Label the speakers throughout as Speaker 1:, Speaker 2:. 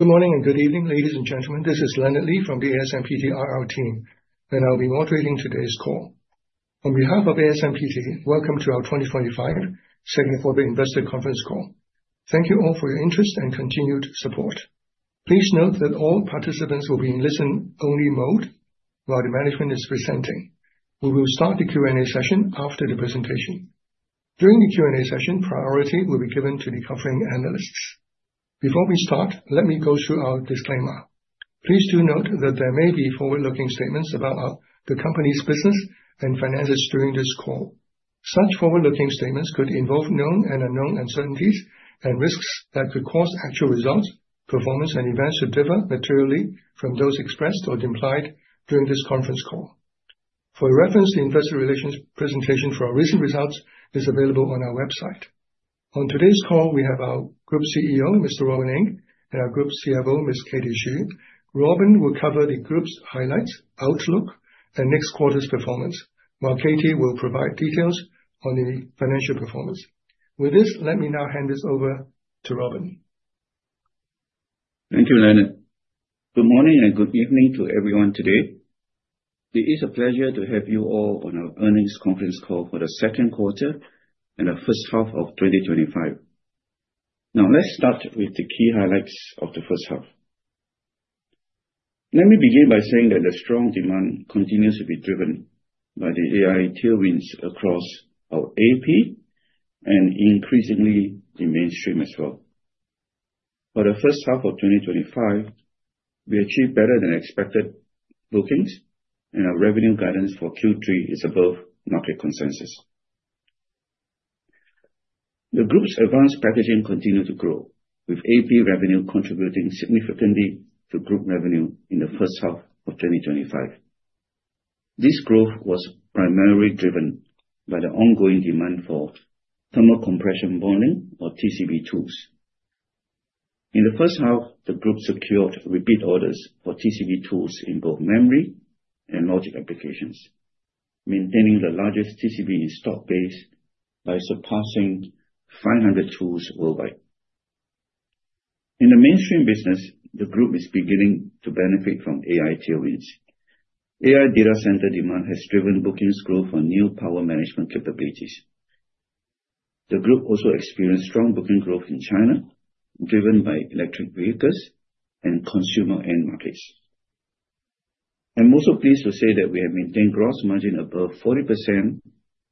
Speaker 1: Good morning and good evening ladies and gentlemen. This is Leonard Lee from the ASMPT IR team and I'll be moderating today's call on behalf of ASMPT. Welcome to our 2025 second quarter investor conference call. Thank you all for your interest and continued support. Please note that all participants will be in listen-only mode while the management is presenting. We will start the Q&A session after the presentation. During the Q&A session, priority will be given to the covering analysts. Before we start, let me go through our disclaimer. Please do note that there may be forward-looking statements about the company's business and finances during this call. Such forward-looking statements could involve known and unknown uncertainties and risks that could cause actual results, performance, and events to differ materially from those expressed or implied during this conference call. For a reference to investor relations presentation for our recent results, please note it is available on our website. On today's call we have our Group CEO Mr. Robin Ng and our Group CFO Ms. Katie Xu. Robin will cover the group's highlights, outlook, and next quarter's performance while Katie will provide details on the financial performance. With this, let me now hand this over to Robin.
Speaker 2: Thank you, Leonard. Good morning and good evening to everyone today. It is a pleasure to have you all on our earnings conference call for the second quarter and the first half of 2025. Now let's start with the key highlights of the first half. Let me begin by saying that the strong demand continues to be driven by the AI tailwinds across our AP and increasingly the mainstream as well. For the first half of 2025, we achieved better than expected bookings and our revenue guidance for Q3 is above market consensus. The group's Advanced Packaging continued to grow with AP revenue contributing significantly to group revenue in the first half of 2025. This growth was primarily driven by the ongoing demand for Thermo-Compression Bonding or TCB tools. In the first half, the group secured repeat orders for TCB tools in both memory and logic applications, maintaining the largest TCB in-stock base by surpassing 500 tools worldwide. In the mainstream business, the group is beginning to benefit from AI tailwinds. AI data center demand has driven bookings growth on new power management capabilities. The group also experienced strong booking growth in China driven by electric vehicles and consumer end markets. I'm also pleased to say that we have maintained gross margin above 40%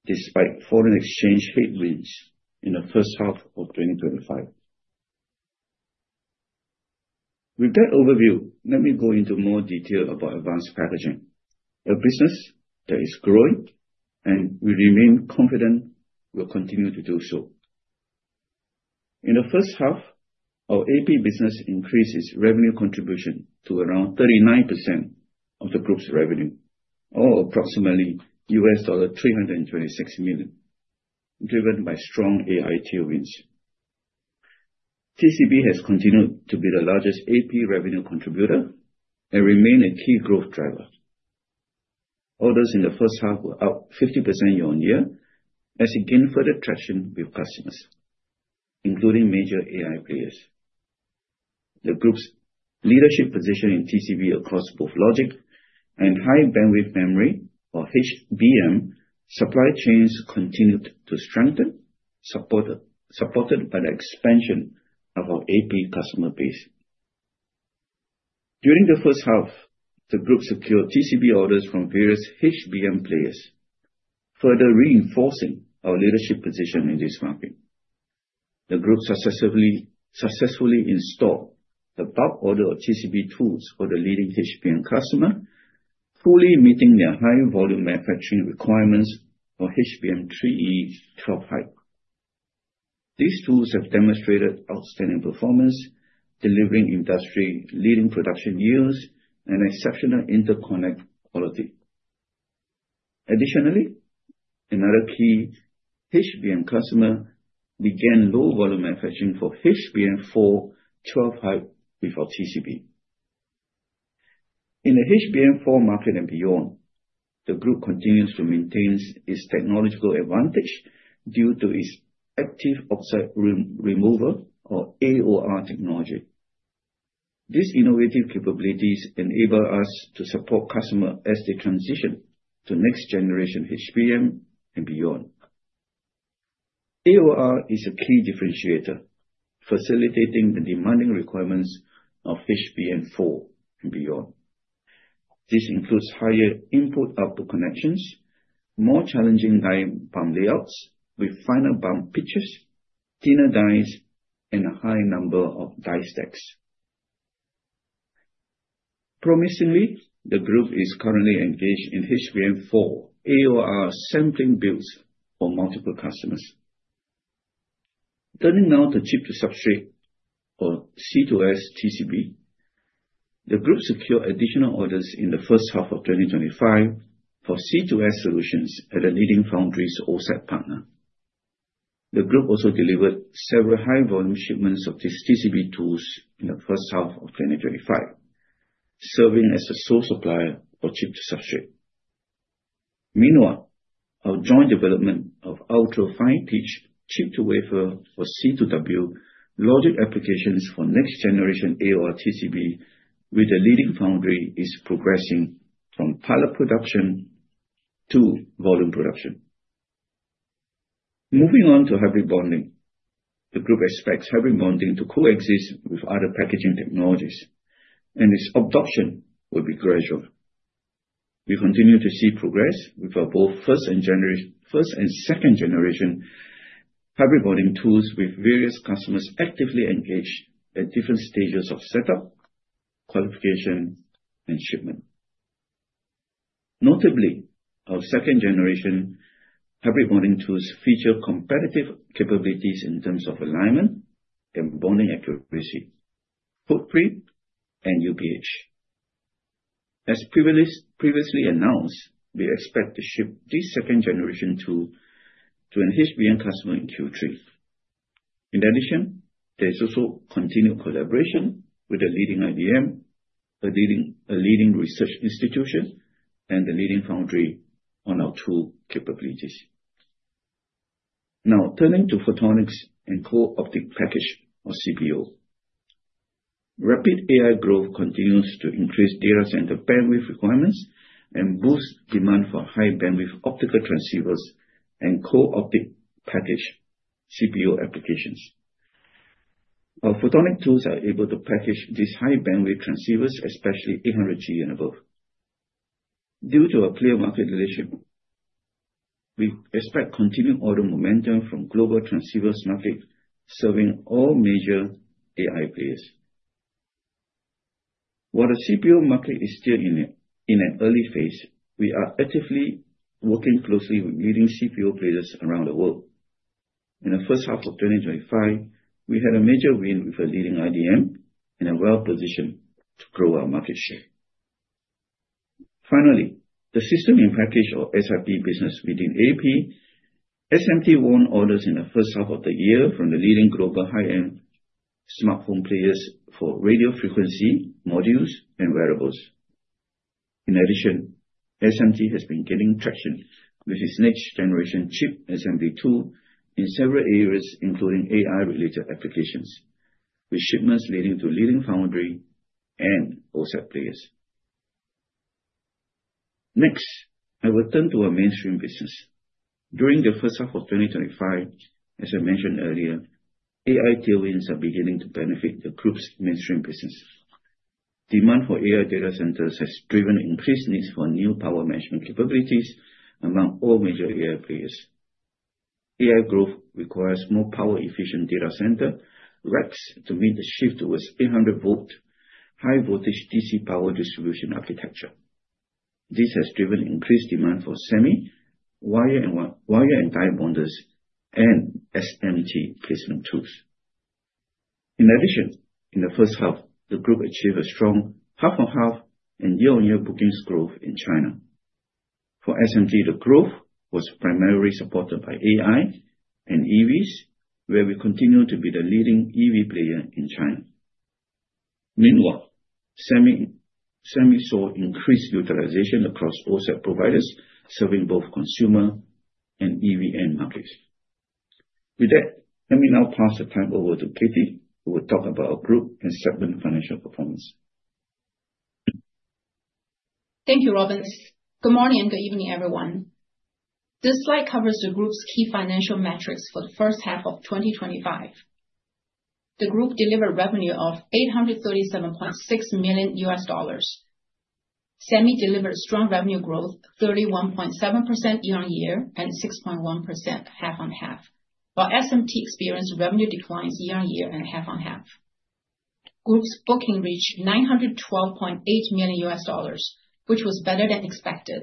Speaker 2: despite foreign exchange headwinds in the first half of 2025. With that overview, let me go into more detail about Advanced Packaging, a business that is growing and we remain confident will continue to do so. In the first half, our AP business increased its revenue contribution to around 39% of the group's revenue or approximately $326 million. Driven by strong AI tailwinds, TCB has continued to be the largest AP revenue contributor and remain a key growth driver. Orders in the first half were up 50% year-on-year. As it gained further traction with customers including major AI players, the group's leadership position in TCB across both logic and High Bandwidth Memory or HBM supply chains continued to strengthen, supported by the expansion of our AP customer base. During the first half, the group secured TCB orders from various HBM players, further reinforcing our leadership position in this market. The group successfully installed the top order of TCB tools for the leading HBM customer, fully meeting their high volume manufacturing requirements for HBM3E12 high. These tools have demonstrated outstanding performance, delivering industry-leading production yields and exceptional interconnect quality. Additionally, another key HBM customer began low volume manufacturing for HBM4 12-high before TCB. In the HBM4 market and beyond, the Group continues to maintain its technological advantage due to its active Oxide Removal or AOR technology. These innovative capabilities enable us to support customers as they transition to next generation HBM and beyond. AOR is a key differentiator, facilitating the demanding requirements of HBM4 and beyond. This includes higher input/output connections, more challenging die bump layouts with finer bump pitches, thinner dies, and a high number of die stacks. Promisingly, the Group is currently engaged in HBM4 AOR sampling builds for multiple customers. Turning now to chip-to-substrate or C2S TCB, the Group secured additional orders in the first half of 2025 for C2S solutions at the leading foundries OSAT partner. The Group also delivered several high volume shipments of these TCB tools in the first half of 2025, serving as the sole supplier for chip-to-substrate. Meanwhile, our joint development of ultra-fine pitch chip-to-wafer or C2W logic applications for next generation AOR TCB with the leading foundry is progressing from pilot production to volume production. Moving on to hybrid bonding, the Group expects hybrid bonding to coexist with other packaging technologies and its adoption will be gradual. We continue to see progress with both our first and second generation hybrid bonding tools, with various customers actively engaged at different stages of setup, qualification, and shipment. Notably, our second generation hybrid bonding tools feature competitive capabilities in terms of alignment and bonding accuracy, footprint, and UPH. As previously announced, we expect to ship this second generation tool to an HBM customer in Q3. In addition, there is also continued collaboration with a leading IDM, a leading research institution, and the leading foundry on our tool capabilities. Now turning to photonics and co-packaged optics or CPO. Rapid AI growth continues to increase data center bandwidth requirements and boost demand for high bandwidth optical transceivers and co-packaged optics CPU applications. Our photonic tools are able to package these high bandwidth transceivers, especially 800G and above. Due to our clear market leadership, we expect continued order momentum from global transceivers market serving all major AI players. While the CPO market is still in an early phase, we are actively working closely with leading CPO players around the world. In the first half of 2025, we had a major win with a leading IDM and are well positioned to grow our market share. Finally, the System-in-Package or SiP business within AP SMT won orders in the first half of the year from the leading global high-end smartphone players for radio frequency modules and wearables. In addition, SMT has been gaining traction with its next generation chip SMT tool in several areas, including AI-related applications with shipments leading to leading foundry and OSAT players. Next, I will turn to our mainstream business during the first half of 2025. As I mentioned earlier, AI tailwinds are beginning to benefit the group's mainstream business. Demand for AI data centers has driven increased needs for new power management capabilities among all major AI players. AI growth requires more power efficient data center racks to meet the shift towards 800V high voltage DC power distribution architecture. This has driven increased demand for semi wire and die bonders and SMT placement tools. In addition, in the first half, the group achieved a strong half-on-half and year-on-year bookings growth in China. For SMT, the growth was primarily supported by AI and EVs where we continue to be the leading EV player in China. Meanwhile, Semi saw increased utilization across OSAT providers serving both consumer and EVN markets. With that, let me now pass the time over to Katie who will talk about our group and segment financial performance.
Speaker 3: Thank you, Robin. Good morning and good evening, everyone. This slide covers the Group's key financial metrics. For the first half of 2025, the Group delivered revenue of $837.6 million. Semi delivered strong revenue growth, 31.7% year-on-year and 6.1% half-on-half, while SMT experienced revenue declines year-on-year and half-on-half. Group's bookings reached $912.8 million, which was better than expected,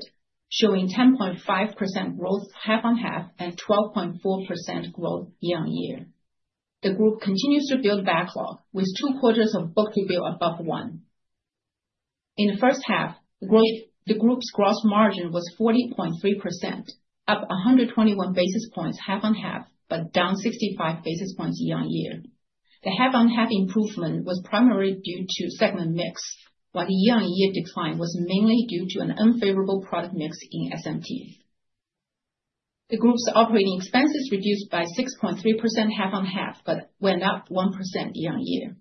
Speaker 3: showing 10.5% growth half-on-half and 12.4% growth year-on-year. The Group continues to build backlog with two out of four quarters of book to bill above 1 in the first half. The Group's gross margin was 40.3%, up 121 basis points half-on-half but down 65 basis points year-on-year. The half-on-half improvement was primarily due to segment mix, while the year-on-year decline was mainly due to an unfavorable product mix in SMT. The Group's operating expenses reduced by 6.3% half-on-half but went up 1% year-on-year.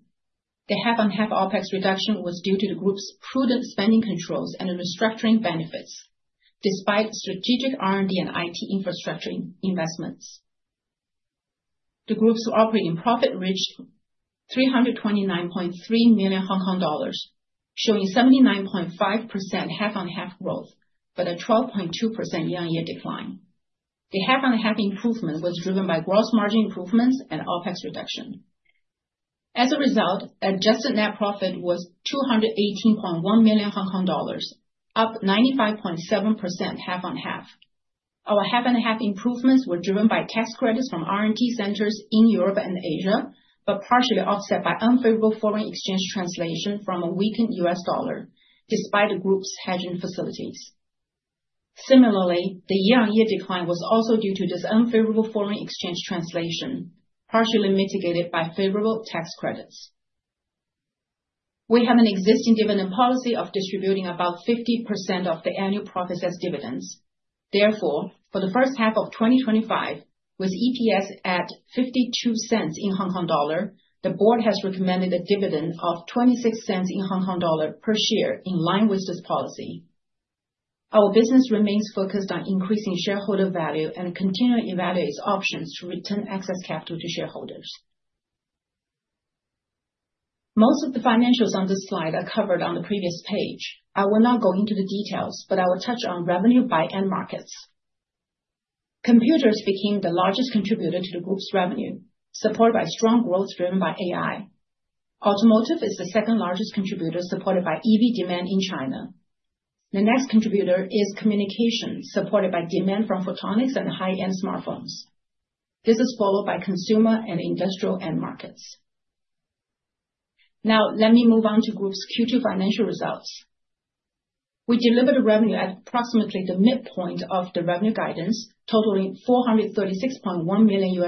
Speaker 3: The half-on-half OpEx reduction was due to the Group's prudent spending controls and restructuring benefits. Despite strategic R&D and IT infrastructure investments, the Group's operating profit reached 329.3 million Hong Kong dollars, showing 79.5% half-on-half growth but a 12.2% year-on-year decline. The half-on-half improvement was driven by gross margin improvements and OpEx reduction. As a result, adjusted net profit was HKD 218.1 million, up 95.7% half-on-half. Our half-on-half improvements were driven by tax credits from R&D centers in Europe and Asia, but partially offset by unfavorable foreign exchange translation from a weakened U.S. dollar despite the Group's hedging facilities. Similarly, the year-on-year decline was also due to this unfavorable foreign exchange translation, partially mitigated by favorable tax credits. We have an existing dividend policy of distributing about 50% of the annual profits as dividends. Therefore, for the first half of 2025, with EPS at HKD $0.52, the board has recommended a dividend of HKD $0.26 per share. In line with this policy, our business remains focused on increasing shareholder value and continually evaluates options to return excess capital to shareholders. Most of the financials on this slide are covered on the previous page. I will not go into the details, but I will touch on revenue by end markets. Computers became the largest contributor to the Group's revenue, supported by strong growth driven by AI. Automotive is the second largest contributor, supported by EV demand in China. The next contributor is communication, supported by demand from photonic solutions and high-end smartphones. This is followed by consumer and industrial end markets. Now let me move on to Group's Q2 financial results. We delivered revenue at approximately the midpoint of the revenue guidance totaling $436.1 million,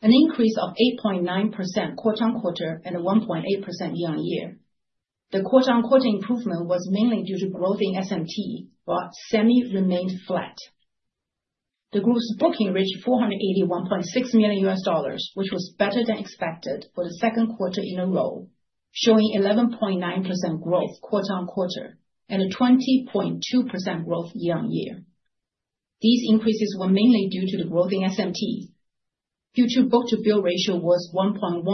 Speaker 3: an increase of 8.9% quarter on quarter and 1.8% year-on-year. The quarter on quarter improvement was mainly due to growth in SMT placement tools while semi remained flat. The Group's bookings reached $481.6 million, which was better than expected for the second quarter in a row, showing 11.9% growth quarter on quarter and a 20.2% growth year-on-year. These increases were mainly due to the growth in SMT placement tools. Future book to bill ratio was 1.1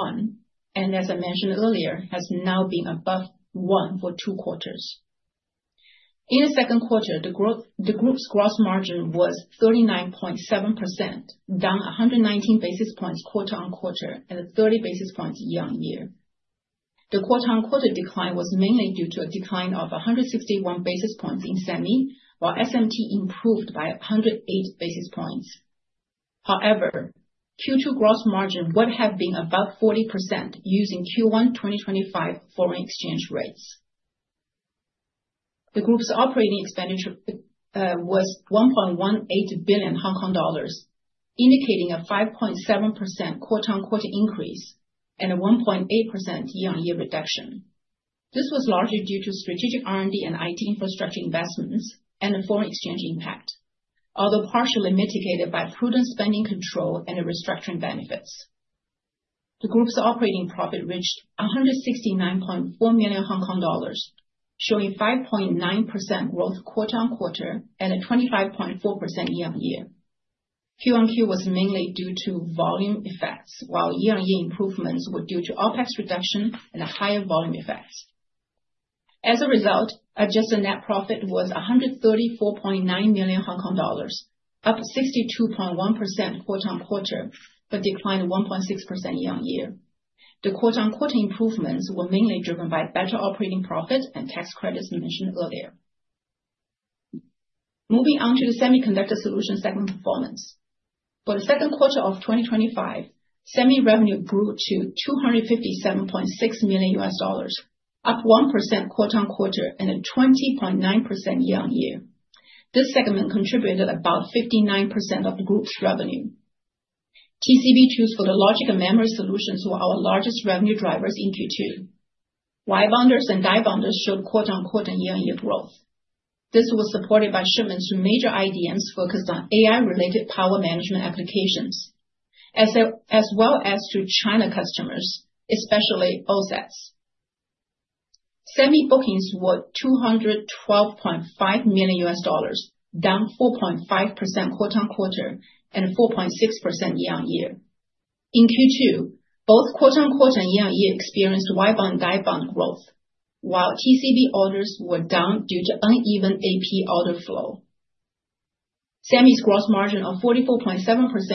Speaker 3: and, as I mentioned earlier, has now been above 1 for 2 quarters. In the second quarter, the Group's gross margin was 39.7%, down 119 basis points quarter on quarter and 30 basis points year-on-year. The quarter on quarter decline was mainly due to a decline of 161 basis points in semi while SMT placement tools improved by 108 basis points. However, Q2 gross margin would have been above 40% using Q1 2025 foreign exchange rates. The Group's operating expenditure was HKD 1.18 billion, indicating a 5.7% quarter on quarter increase and a 1.8% year-on-year reduction. This was largely due to strategic R&D and IT infrastructure investments and the foreign exchange impact, although partially mitigated by prudent spending control and restructuring benefits. The Group's operating profit reached 1,694 million Hong Kong dollars, showing 5.9% growth quarter on quarter and a year-on-year. Quarter on quarter was mainly due to volume effects while year-on-year improvements were due to OpEx reduction and higher volume effects. As a result, adjusted net profit was HKD 134.9 million, up 62.1% quarter on quarter but declined 1.6% year-on-year. The quarter on quarter improvements were mainly driven by better operating profit and tax credits mentioned earlier. Moving on to the Semiconductor solutions segment performance for the second quarter of 2025, semi revenue grew to $257.6 million, up 1% quarter on quarter and at 20.9% year-on-year. This segment contributed about 59% of Group's revenue. TCB tools, photonic solutions, and memory solutions were our largest revenue drivers. In Q2, wire bonders and die bonders showed quarter on quarter and year-on-year growth. This was supported by shipments to major IDMs focused on AI-related power management solutions as well as to China customers, especially OSATs. Semi bookings were $212.5 million, down 4.5% quarter on quarter and 4.6% year-on-year. In Q2, both quarter on quarter and year-on-year experienced wire bonder, die bonder growth while TCB orders were down due to uneven AP order flow. Semi's gross margin of 44.7%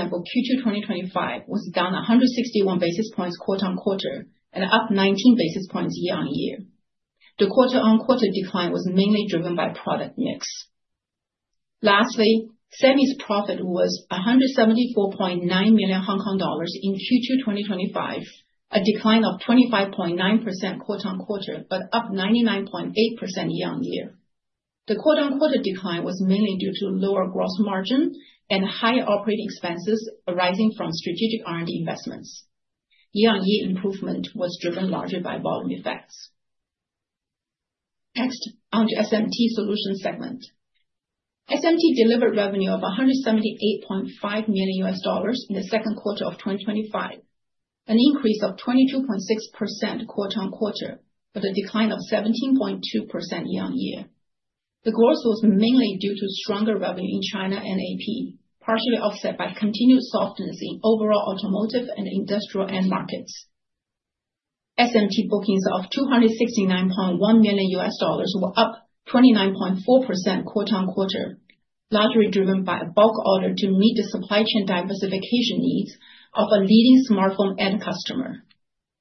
Speaker 3: for Q2 2025 was down 161 basis points quarter on quarter and up 19 basis points year-on-year. The quarter on quarter decline was mainly driven by product mix. Lastly, Semi's profit was $174.9 million HKD in Q2 2025, a decline of 25.9% quarter on quarter but up 99.8% year-on-year. The quarter on quarter decline was mainly due to lower gross margin and higher operating expenses arising from strategic R&D investments. Year on year improvement was driven largely by volume effects. Next, on to SMT Solutions segment. SMT delivered revenue of $178.5 million in the second quarter of 2025, an increase of 22.6% quarter on quarter but a decline of 17.2% year-on-year. The growth was mainly due to stronger revenue in China and AP, partially offset by continued softness in overall automotive and industrial end markets. SMT bookings of $269.1 million were up 29.4% quarter on quarter, largely driven by a bulk order to meet the supply chain diversification needs of a leading smartphone end customer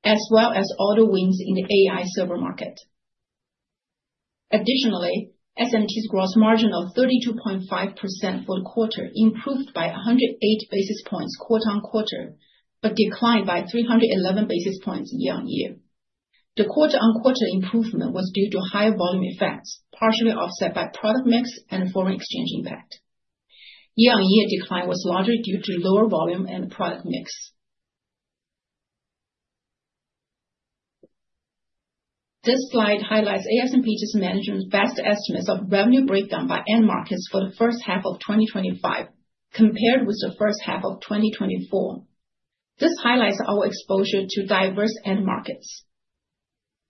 Speaker 3: as well as order wins in the AI server market. Additionally, SMT's gross margin of 32.5% for the quarter improved by 108 basis points quarter on quarter but declined by 311 basis points year-on-year. The quarter on quarter improvement was due to higher volume effects, partially offset by product mix and foreign exchange impact. Year on year decline was largely due to lower volume and product mix. This slide highlights ASMPT management's best estimates of revenue breakdown by end markets for the first half of 2025 compared with the first half of 2024. This highlights our exposure to diverse end markets.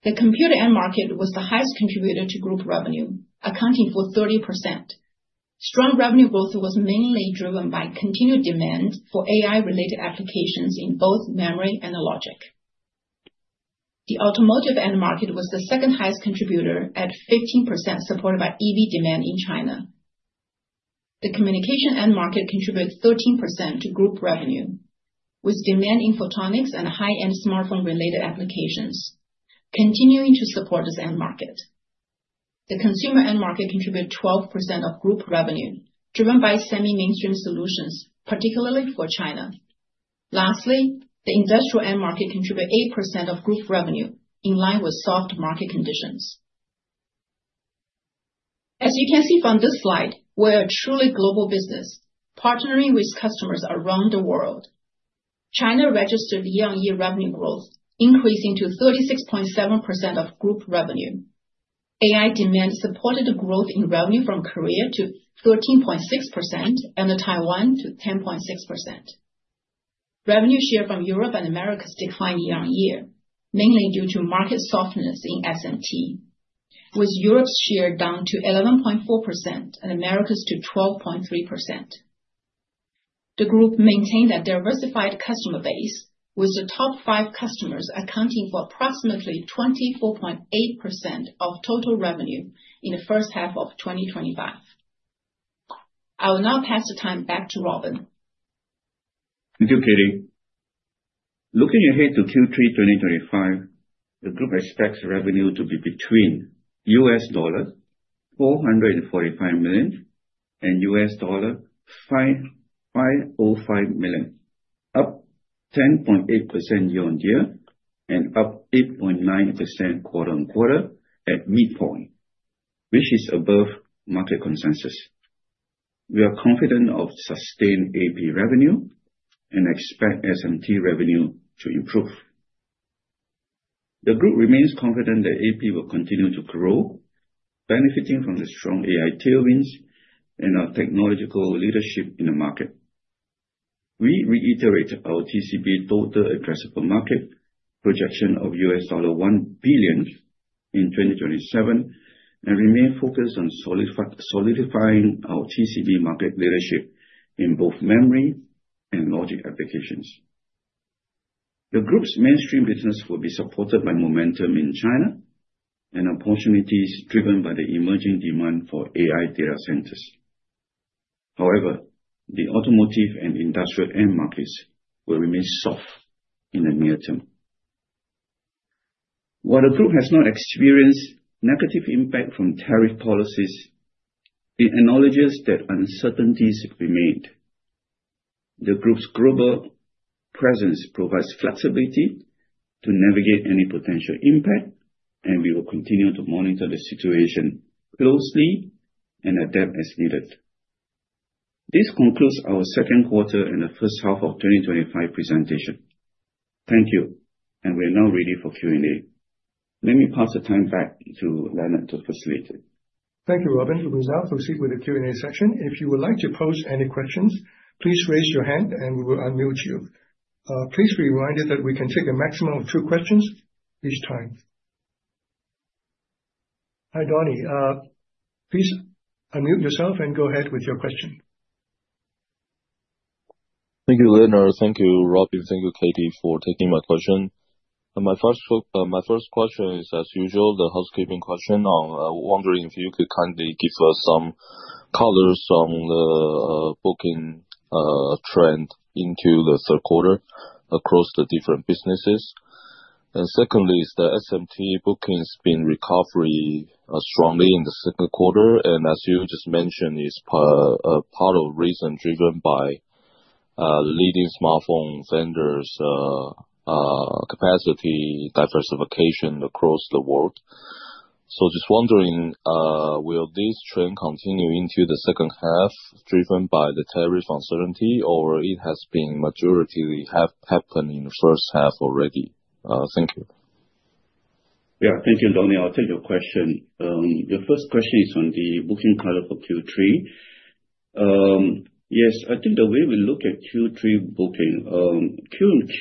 Speaker 3: The computer end market was the highest contributor to group revenue, accounting for 30%. Strong revenue growth was mainly driven by continued demand for AI-related applications in both memory and logic. The automotive end market was the second highest contributor at 15%, supported by EV demand in China. The communication end market contributed 13% to group revenue, with demand in photonics and high-end smartphone-related applications continuing to support this end market. The consumer end market contributed 12% of group revenue, driven by semi mainstream solutions, particularly for China. Lastly, the industrial end market contributed 8% of group revenue in line with soft market conditions. As you can see from this slide, we are a truly global business, partnering with customers around the world. China registered year-on-year revenue growth, increasing to 36.7% of group revenue. AI demand supported the growth in revenue from Korea to 13.6% and Taiwan to 10.6%. Revenue share from Europe and Americas declined year-on-year, mainly due to market softness in SMT, with Europe's share down to 11.4% and America's to 12.3%. The group maintained a diversified customer base, with the top five customers accounting for approximately 24.8% of total revenue in the first half of 2025. I will now pass the time back to Robin.
Speaker 2: Thank you, Katie. Looking ahead to Q3 2025, the Group expects revenue to be between $445 million and $505 million, up 10.8% year-on-year and up 8.9% quarter on quarter. At midpoint, which is above market consensus, we are confident of sustained AP revenue and expect SMT revenue to improve. The Group remains confident that AP will continue to grow, benefiting from the strong AI tailwinds and our technological leadership in the market. We reiterate our TCB total addressable market projection of $1 billion in 2027 and remain focused on solidifying our TCB market leadership in both memory and logic applications. The Group's mainstream business will be supported by momentum in China and opportunities driven by the emerging demand for AI data centers. However, the automotive and industrial end markets will remain soft in the near term. While the Group has not experienced negative impact from tariff policies, it acknowledges that uncertainties remain. The Group's global presence provides flexibility to navigate any potential impact, and we will continue to monitor the situation closely and adapt as needed. This concludes our second quarter and the first half of 2025 presentation. Thank you, and we are now ready for Q&A. Let me pass the time back to Leonard to facilitate it.
Speaker 1: Thank you, Robin. We will now proceed with the Q and A section. If you would like to pose any questions, please raise your hand and we will unmute you. Please be reminded that we can take a maximum of two questions each. Hi Donnie, please unmute yourself and go ahead with your question. Thank you, Leonard. Thank you, Robin. Thank you, Katie, for taking my question. My first question is, as usual, the housekeeping question. I'm wondering if you could kindly give us some colors on the booking trend into the third quarter across the different businesses. Secondly, is the SMT bookings been recovering strongly in the second quarter and as you just mentioned, is part of the reason driven by leading smartphone vendors' capacity diversification across the world. Just wondering, will this trend continue into the second half driven by the tariff uncertainty or has the majority happened in the first half already. Thank you.
Speaker 2: Yeah, thank you. I'll take your question. Your first question is on the booking color for Q3. I think the way we look at Q3 booking quarter-on-quarter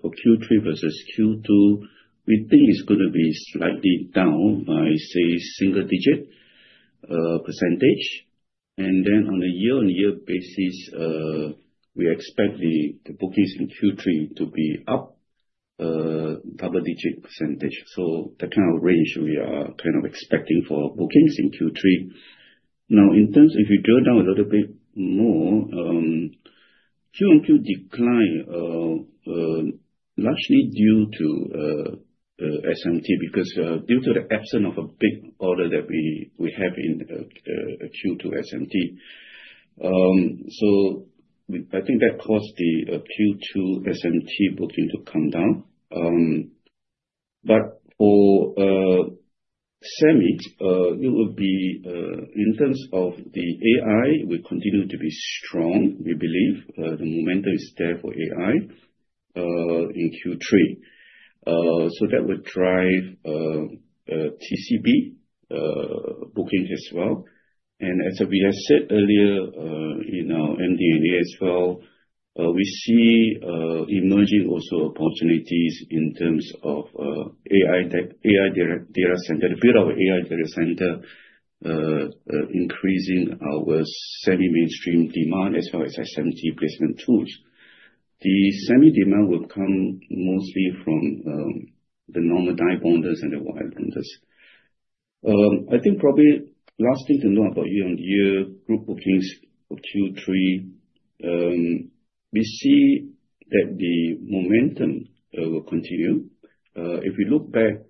Speaker 2: for Q3 versus Q2, we think it's going to be slightly down by, say, single digit %. On a year-on-year basis, we expect the bookings in Q3 to be up double digit %. That's the kind of range we are expecting for bookings in Q3. Now, if you drill down a little bit more, quarter-on-quarter declined largely due to SMT because of the absence of a big order that we had in Q2 SMT. That caused the Q2 SMT booking to come down. For semi, in terms of the AI, we continue to be strong. We believe the momentum is there for AI in Q3, so that would drive TCB bookings as well. As we have said earlier in our MD as well, we see emerging opportunities in terms of AI data center, the build of AI data center increasing our semi mainstream demand as well as SMT placement tools. The semi demand will come mostly from the normal die bonders and the wire bonders. Probably last thing to note about year-on-year group bookings of Q3, we see that the momentum will continue. If we look back,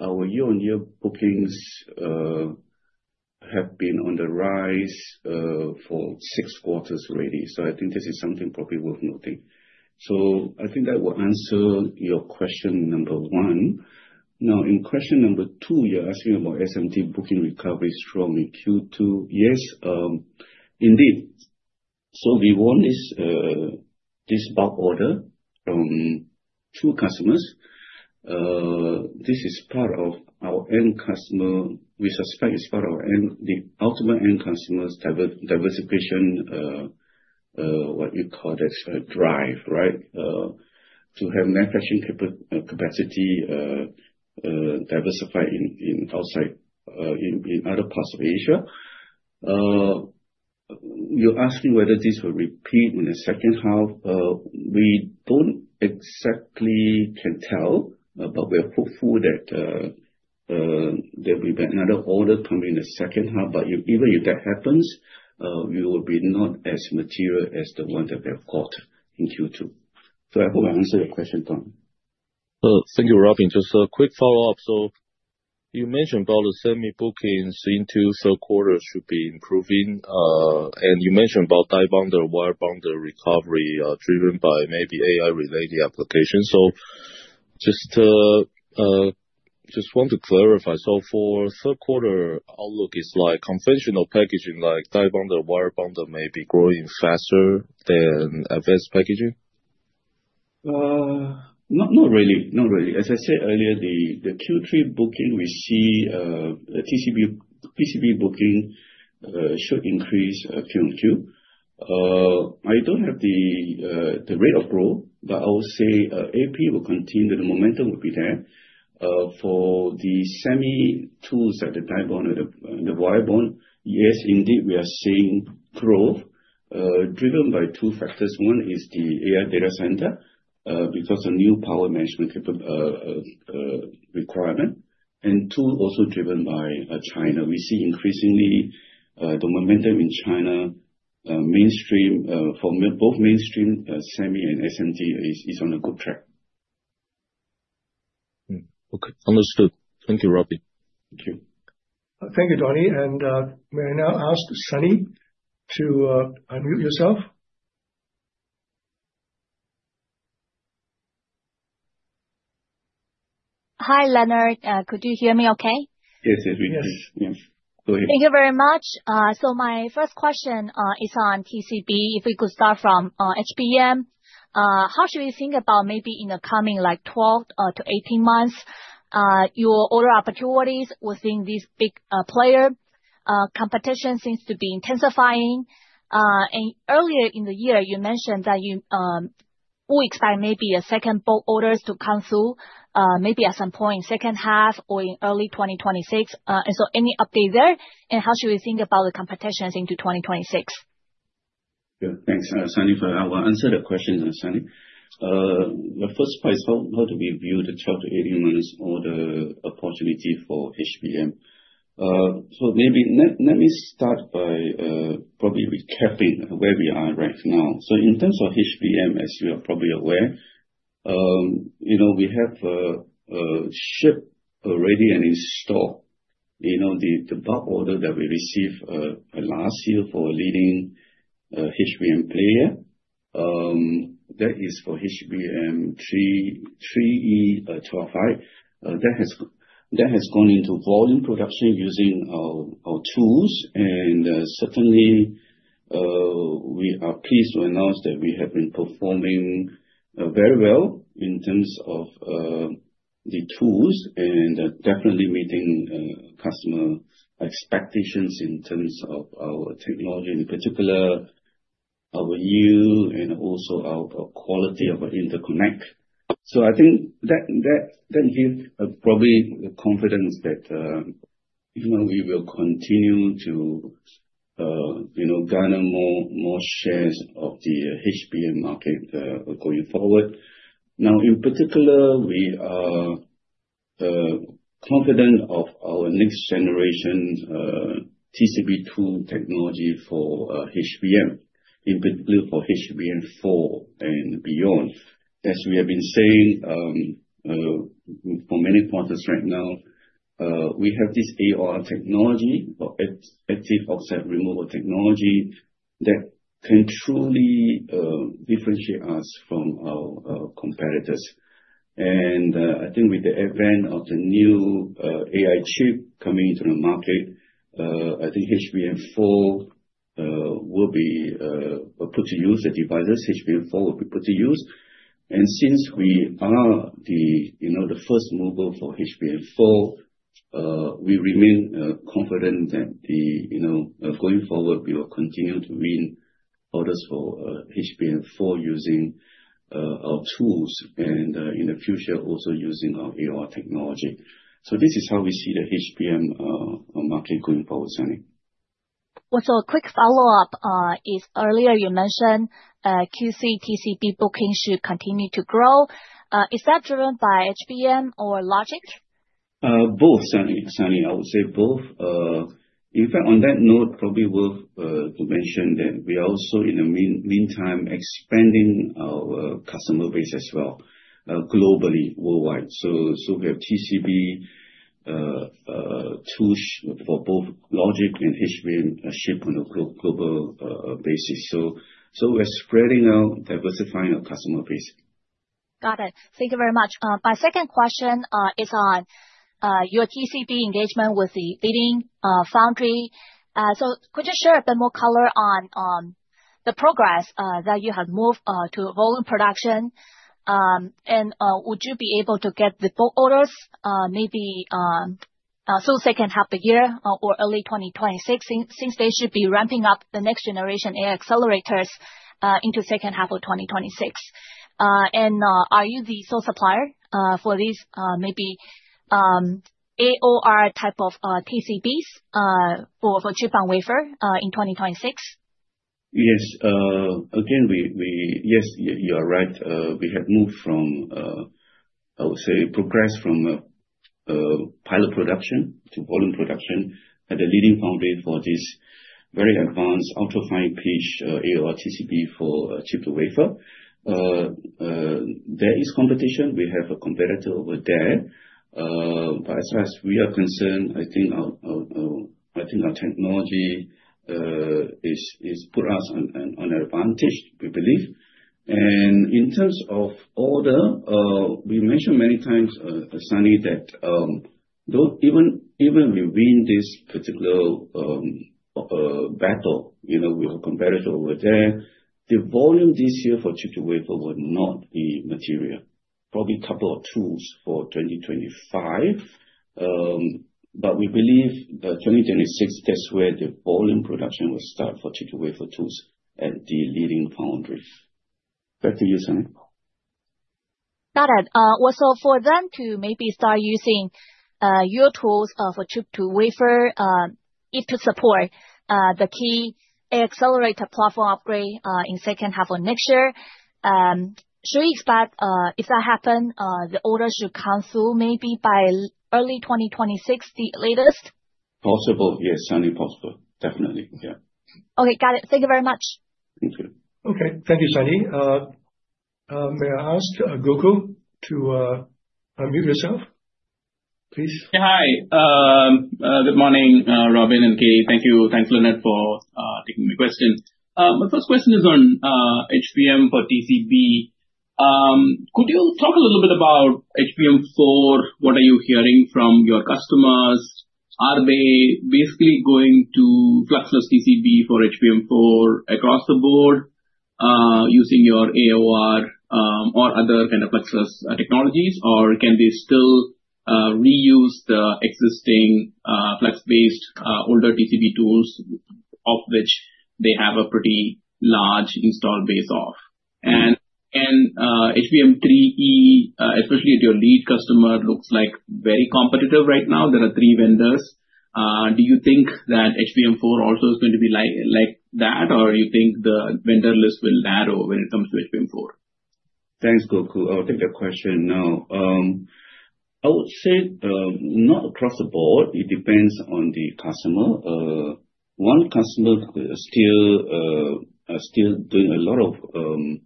Speaker 2: our year-on-year bookings have been on the rise for six quarters already. I think this is something probably worth noting. That will answer your question number one. Now, in question number two, you're asking about SMT booking recovery strong in Q2. Yes, indeed. We won this bulk order from two customers. This is part of our end customer. We suspect it's part of the ultimate end customer's diversification drive to have manufacturing capacity diversified outside in other parts of Asia. You're asking whether this will repeat in the second half? We can't exactly tell but we're hopeful that there will be another order coming in the second half. Even if that happens, it will not be as material as the one that we have got in Q2. I hope I answered your question, Tom. Thank you, Robin. Just a quick follow up. You mentioned about the semi bookings into third quarter should be improving and you mentioned about die bonders, wire bonders recovery driven by maybe AI related applications. Just want to clarify. For third quarter outlook, it's like conventional packaging like die bonders, wire bonders may be growing faster than Advanced Packaging. Not really. As I said earlier, the Q3 booking, we see PCB booking should increase Q on Q. I don't have the rate of growth, but I would say AP will continue. The momentum will be there for the semi tools at the die bonders and the wire bonders. Yes, indeed, we are seeing growth driven by two factors. One is the AI data center because of new power management requirement, and two, also driven by China, we see increasingly the momentum in China mainstream for both mainstream semi and SMT is on a good track. Okay, understood. Thank you, Robin. Thank you.
Speaker 1: Thank you, Donnie. May I now ask Sunny to unmute yourself? Hi Leonard, could you hear me okay?
Speaker 2: Yes, yes, we can go ahead. Thank you very much. My first question is on TCB. If we could start from HBM, how should we think about maybe in the coming 12 to 18 months your order opportunities within these players? Competition seems to be intensifying, and earlier in the year you mentioned that you would expect maybe a second batch of orders to come through at some point, second half or in early 2026. Any update there, and how should we think about the competitions into 2026? Thanks, Sunny. I will answer the question. Sunny, the first part is how do we view the 12 to 18 months or the opportunity for HBM? Maybe let me start by recapping where we are right now. In terms of HBM, as you are probably aware, we have shipped already and installed the bulk order that we received last year for a leading HBM player, that is for HBM3, 3, E12, 5 that has gone into volume production using our tools. We are pleased to announce that we have been performing very well in terms of the tools and definitely meeting customer expectations in terms of our technology, in particular our yield and also our core quality of an interconnect. I think that gives probably the confidence that we will continue to garner more shares of the HBM market going forward. In particular, we are confident of our next generation TCB tool technology for HBM, in particular for HBM4 and beyond. As we have been saying for many quarters right now, we have this AOR technology, active offset removal technology, that can truly differentiate us from our competitors. I think with the advent of the new AI chip coming to the market, HBM4 will be put to use, the devices HBM4 will be put to use. Since we are the first mover for HBM4, we remain confident that going forward we will continue to win orders for HBM4 using our tools and in the future also using our AOR technology. This is how we see the HBM market going forward, Sunny. A quick follow up is earlier you mentioned QCTCB bookings should continue to grow. Is that driven by HBM or Logic? Both, Sunny. I would say both. In fact, on that note, probably worth to mention that we also in the meantime expanding our customer base as well, globally, worldwide. We have TCB tools for both Logic and HBM ship on a global basis. We're spreading out, diversifying our customer base. Got it. Thank you very much. My second question is on your TCB engagement with the leading foundry. Could you share a bit more color on the progress that you have moved to volume production, and would you be able to get the bulk orders maybe through the second half of the year or early 2026, since they should be ramping up the next generation AI accelerators into the second half of 2026? Are you the sole supplier for these maybe AOR type of TCBs for chip-bound wafer in 2026? Yes, again, yes, you are right. We have moved from, I would say, progress from pilot production to volume production at the leading foundry for this very advanced ultra fine pitch AORTCP for chip-to-wafer. There is competition, we have a competitor over there. As far as we are concerned, I think our technology puts us at an advantage. We believe, and in terms of order, we mentioned many times, Sunny, that even if we win this particular battle, you know, with a competitor over there, the volume this year for chip-to-wafer was not material. Probably a couple of tools for 2025, but we believe that 2026, that's where the volume production will start for chip-to-wafer tools at the leading foundry. Back to you, Sunny. Got it. Also for them to maybe start using your tools for chip-to-wafer IT to support the key accelerator platform upgrade in the second half of next year. Should we expect if that happens, the order should come through maybe by early 2026? The latest possible. Yes, sounding possible. Definitely, yeah. Okay, got it. Thank you very much. Thank you.
Speaker 1: Okay, thank you. Sunny, may I ask Gokul to unmute yourself please? Hi, good morning Robin and Katie. Thank you. Thanks Leonard for taking my question. My first question is on HBM for TCB. Could you talk a little bit about HBM4? What are you hearing from your customers? Are they basically going to flexless TCB for HBM4 across the board using your AOR or other kind of flexless technologies? Can they still reuse the existing flex based older TCB tools of which they have a pretty large install base of and HBM3E especially at your lead customer looks like very competitive right now, there are three vendors. Do you think that HBM4 also is going to be like that or you think the vendor list will narrow when. It comes to HBM4?
Speaker 2: Thanks, Gokul, I'll take that question now. I would say not across the board. It depends on the customer. One customer still doing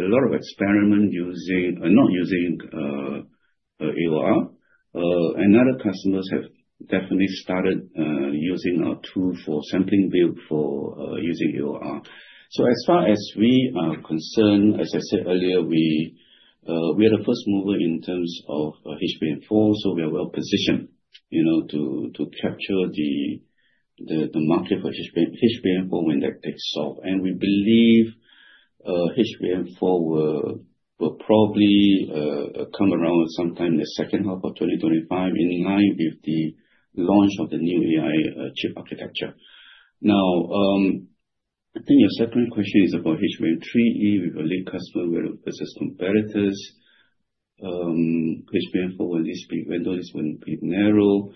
Speaker 2: a lot of experiment using, not using AOR, and other customers have definitely started using our tool for sampling build for using AOR. As far as we are concerned, as I said earlier, we are the first mover in terms of HBM4, so we are well positioned, you know, to capture the market for HBM4 when that takes off. We believe HBM4 will probably come around sometime in the second half of 2025 in line with the launch of the new AI chip architecture. Now, I think your second question is about HBM3e with a lead customer versus competitors, HBM4, when this big window is going to be narrow.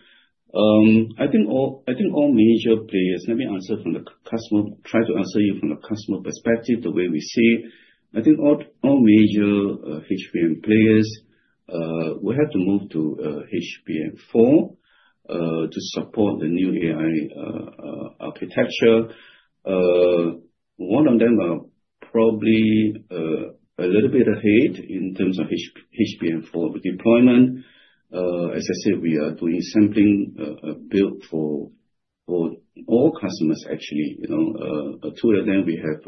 Speaker 2: I think all major players, let me answer from the customer, try to answer you from the customer perspective. The way we see it, I think all major HBM players will have to move to HBM4 to support the new AI architecture. One of them probably a little bit ahead in terms of HBM4 deployment. As I said, we are doing sampling build for all customers, actually two of them, we have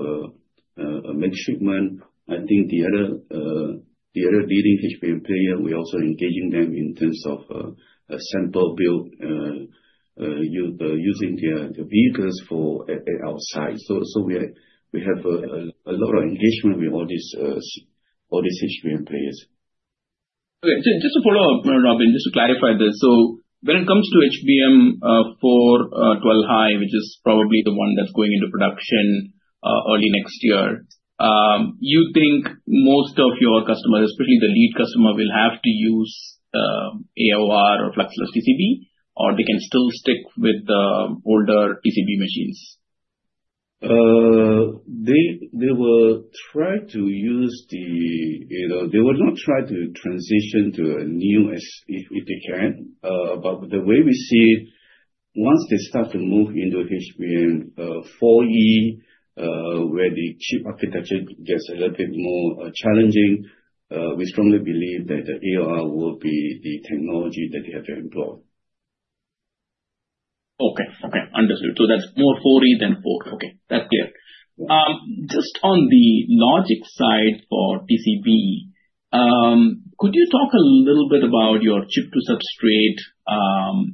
Speaker 2: many shipment. I think the other leading HBM player, we also engaging them in terms of sample build using their vehicles outside. We have a lot of engagement with all these HBM players. Just to follow up, Robin, just to clarify this, when it comes to HBM4 12-high, which is probably the one that's going into production early next year, you think most of your customers, especially the lead customer, will have to use AOR or fluxless TCB, or they can still stick with the older TCB machines. They will not try to transition to a new as if they can. The way we see, once they start to move into HBM4E where the chip architecture gets a little bit more challenging, we strongly believe that the AOR will be the technology that they have to employ. Okay, okay, understood. That's more 4e than 4. Okay, that's clear. Just on the logic side for TCB, could you talk a little bit about your chip to substrate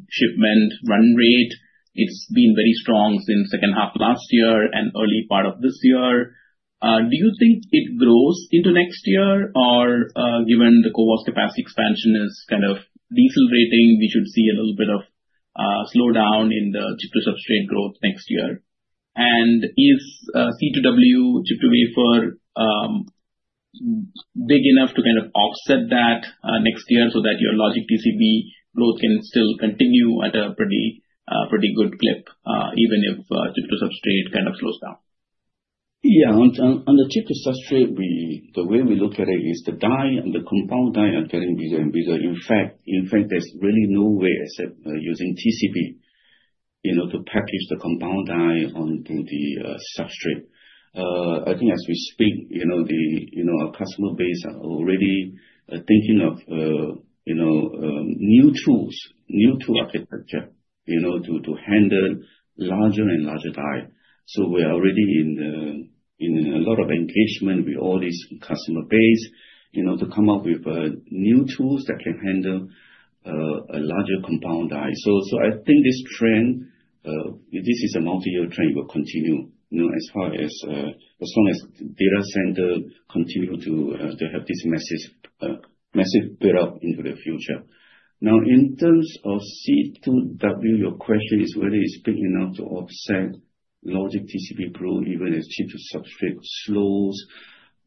Speaker 2: shipment run rate? It's been very strong since the second half last year and early part of this year. Do you think it grows into next year, or given the CoBH capacity expansion is kind of decelerating, we should see a little bit of slowdown in the chip to substrate growth next year? Is C2W chip-to-wafer? Big. Enough to kind of offset that next year so that your logic TCB growth can still continue at a pretty, pretty good clip even if chip to substrate. Kind of slows down? Yeah. On the triple substrate, the way we look at it is the die and the compound die are getting bigger and bigger. In fact, there's really no way except using TCB to package the compound die onto the substrate. I think as we speak, our customer base are already thinking of new tools, new tool architecture to handle larger and larger die. We are already in a lot of engagement with all this customer base to come up with new tools that can handle a larger compound die. I think this trend, this is a multi-year trend, will continue. As. Long as data center continue to have this massive build up into the future. Now in terms of C2W, your question is whether it's big enough to offset logic TCB growth even as chip to substrate slows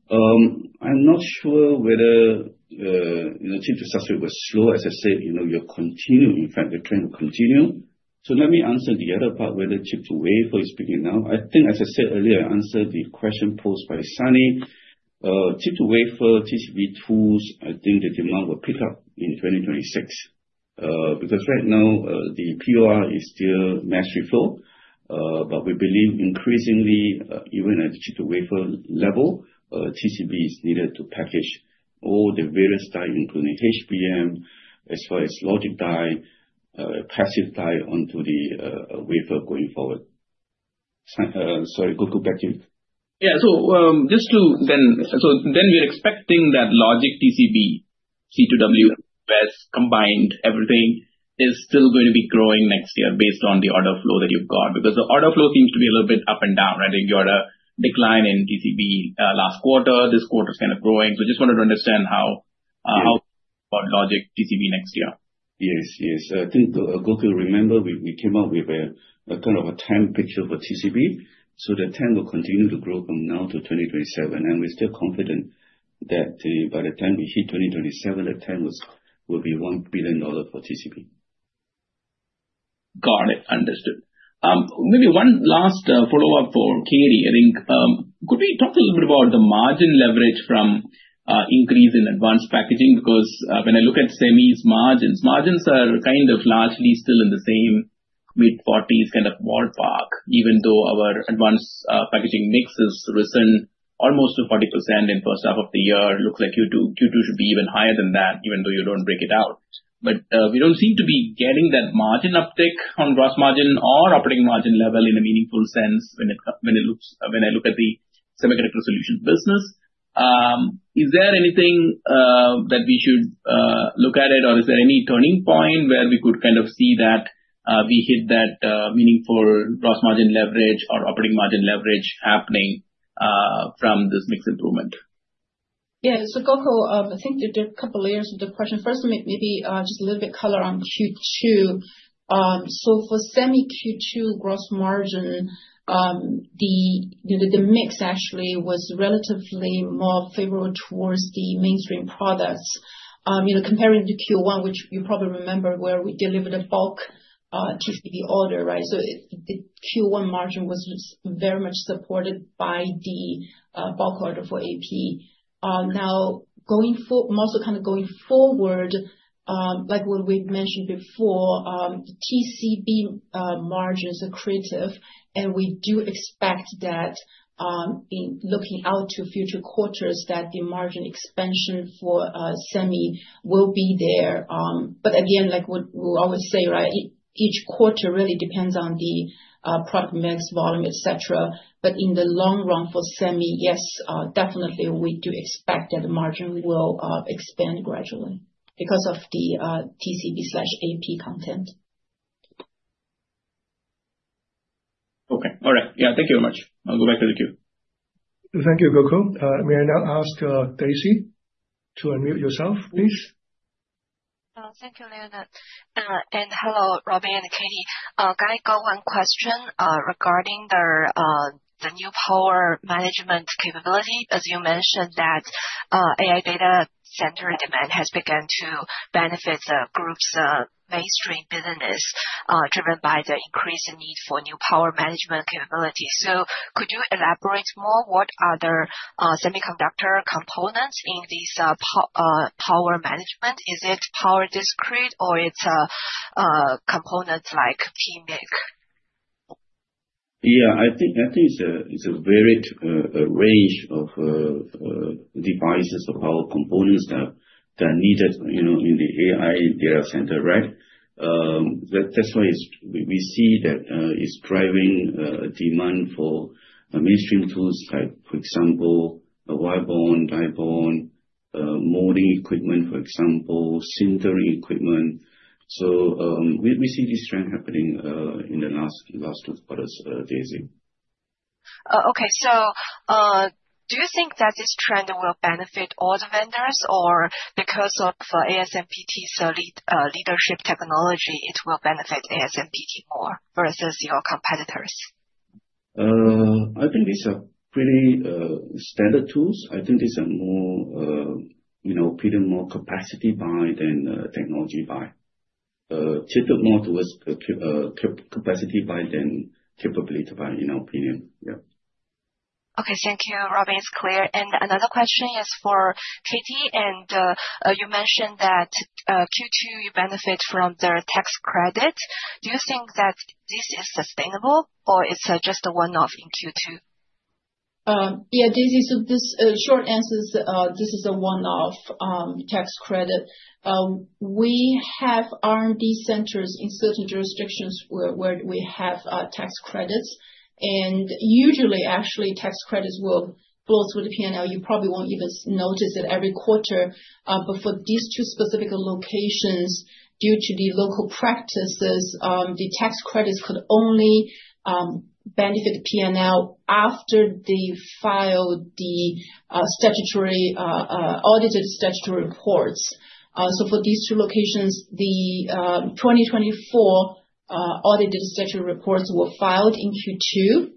Speaker 2: down. I'm not sure whether chip to substrate will slow. As I said, you continue. In fact, the trend will continue. Let me answer the other part. Whether chip-to-wafer is peaking now. I think as I said earlier, I answered the question posed by Sunny, chip-to-wafer TCB tools. I think the demand will pick up in 2026 because right now the POR is still mastery filled. We believe increasingly even at chip wafer level, TCB is needed to package all the various die including HBM. As far as logic die, passive die onto the wafer going forward. Sorry Gokul, back to you. Yeah, just to then. We're expecting that logic TCB, C2W combined, everything is still going to be growing next year based on the. Order flow that you've got. Because the order flow seems to be a little bit up and down. Right? You order decline in TCB last quarter, this quarter is kind of growing. Just wanted to understand how logic TCB next year. Yes, yes. I think Gokul, remember we came up with a kind of a time picture for TCB. The TAM will continue to grow from now to 2027, and we're still confident that by the time we hit 2027, the TAM will be $1 billion for TCB. Got it. Understood. Maybe one last follow-up for Katie Xu Yifan. I think. Could we talk a little bit about the margin leverage from increase in Advanced Packaging? Because when I look at Semi's margins, margins are kind of largely still in the same mid-40% kind of ballpark, even though our Advanced Packaging mix has risen almost to 40% in first half of the year. Looks like Q2 should be even higher than that, even though you don't break it out. We don't seem to be getting that margin uptick on gross margin or operating margin level in a meaningful sense. When I look at the Semiconductor solutions. Business, is there anything that we should look at or is there any turning point where we could kind of see that we hit that meaningful gross margin leverage or operating margin leverage happening from this mix improvement?
Speaker 3: Yes. Gokul, I think there are a couple of layers of the question. First, maybe just a little bit color on Q2. For semi Q2 gross margin, the mix actually was relatively more favorable towards the mainstream products compared to Q1, which you probably remember where we delivered a bulk TCB order. Right. The Q1 margin was very much supported by the bulk order for AP. Now, going forward, like what we've mentioned before, TCB margins are accretive and we do expect that in looking out to future quarters, the margin expansion for Semi will be there. Again, like what we always say, each quarter really depends on the product mix, volume, etc. In the long run for Semi, yes, definitely. We do expect that the margin will expand gradually because of the TCB AP content. Okay. All right. Thank you very much.
Speaker 2: I'll go back to the queue.
Speaker 1: Thank you. Gokul, may I now ask Daisy to unmute yourself please? Thank you, Leonard, and hello Robin and Katie. Can I go? One question regarding the new power management capability. As you mentioned that AI data center demand has begun to benefit the group's mainstream business, driven by the increased need for new power management capabilities. Could you elaborate more? What other semiconductor components are in these power management? Is it power discrete or with components like PMIC?
Speaker 2: Yeah, I think it's a varied range of devices or components that are needed in the AI data center. Right. That's why we see that it's driving a demand for mainstream tools like, for example, wire bonders, die bonders, molding equipment, for example, sintering equipment. We see this trend happening in the last two quarters. Daisy. Okay, so do you think that this trend will benefit all the vendors, or because of ASMPT leadership technology, it will benefit ASMPT more versus your competitors? I believe so. Pretty standard tools. I think these are more pretty much capacity buy than technology buy, tilted more towards capacity buy than capability buy in our opinion. Yeah. Okay, thank you Robin. It's clear. Another question is for Katie and you mentioned that Q2 you benefit from the tax credit. Do you think that this is sustainable or is just a one off in Q2?
Speaker 3: Yeah Daisy, the short answer is this is a one off tax credit. We have R&D centers in certain jurisdictions where we have tax credits and usually actually tax credits will flow through the P&L. You probably won't even notice it every quarter. For these two specific locations, due to the local practices, the tax credits could only benefit P&L after they filed the audited statutory reports. For these two locations, the 2024 audited statutory reports were filed in Q2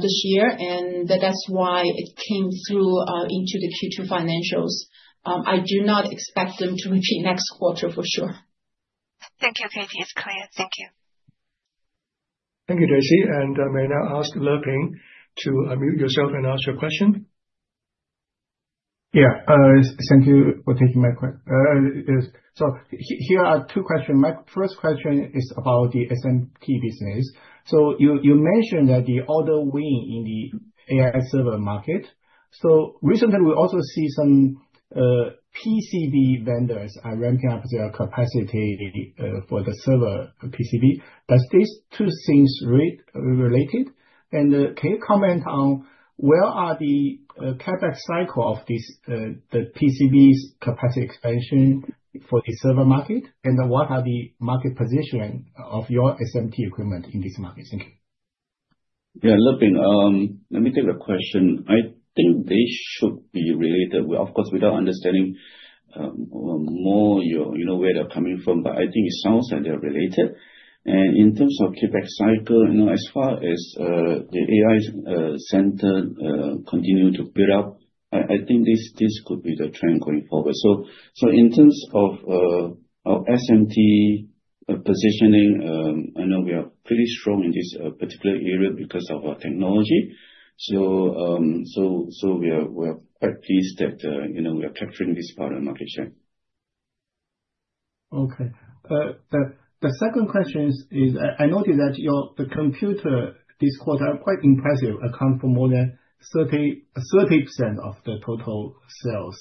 Speaker 3: this year and that's why it came through into the Q2 financials. I do not expect them to repeat next quarter for sure. Thank you Katie. It's clear.
Speaker 2: Thank you.
Speaker 1: Thank you, Daisy. May I ask Li Ping to unmute yourself and ask your question? Yeah. Thank you for taking my question. Here are two questions. My first question is about the SMT business. You mentioned that the order win in the AI server market. Recently we also see some PCB vendors are ramping up their capacity for the server PCB. Does these two things. Related, and can you comment on where. Are the CapEx cycle of this, the PCB's capacity expansion for the server market, and what are the market positioning of your SMT equipment in these markets? Thank you.
Speaker 2: Yeah, let me take a question. I think they should be related, of course, without understanding more, you know, where they're coming from, but I think it sounds like they're related, and in terms of CapEx cycle, you know, as far as the AI center continues to build up, I think this could be the trend going forward. In terms of our SMT positioning, I know we are pretty strong in this particular area because of our technology. We are quite pleased that we are capturing this part of the market share. Okay, the second question is I noticed. The computer this quarter, quite impressive, accounted for more than 30% of the total sales.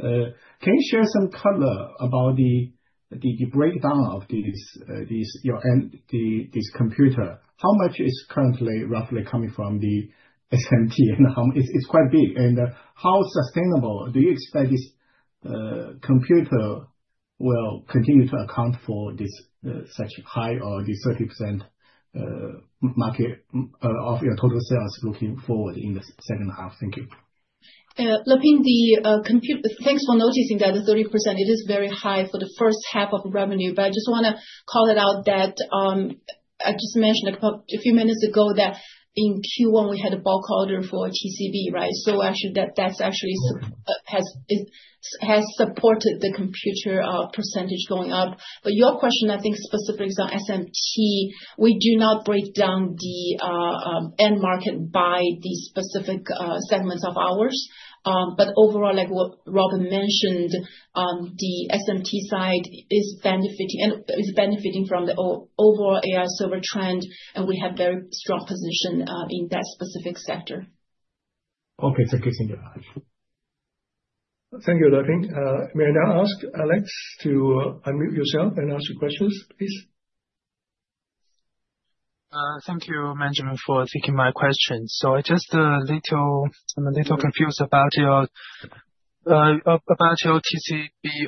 Speaker 2: Can you share some color about the. The breakdown of this year-end, this computer, how much is currently roughly coming from the SMT? It's quite big. How sustainable do you expect this? Computer will continue to account for this such high or the 30% market of your total sales looking forward in the second half. Thank you.
Speaker 3: Li Ping the Compute. Thanks for noticing that the 30% is very high for the first half of revenue. I just want to call it out that I mentioned a few minutes ago that in Q1 we had a bulk order for TCB. That actually has supported the compute percentage going up. Your question I think specifically is on SMT. We do not break down the end market by these specific segments of ours. Overall, like what Robin mentioned, the SMT side is benefiting and is benefiting from the overall AI server trend and we have a very strong position in that specific sector. Okay, thank you.
Speaker 1: Thank you. May I now ask Alex to unmute yourself and ask your questions please? Thank you for taking my question. I'm just a little confused about your TCB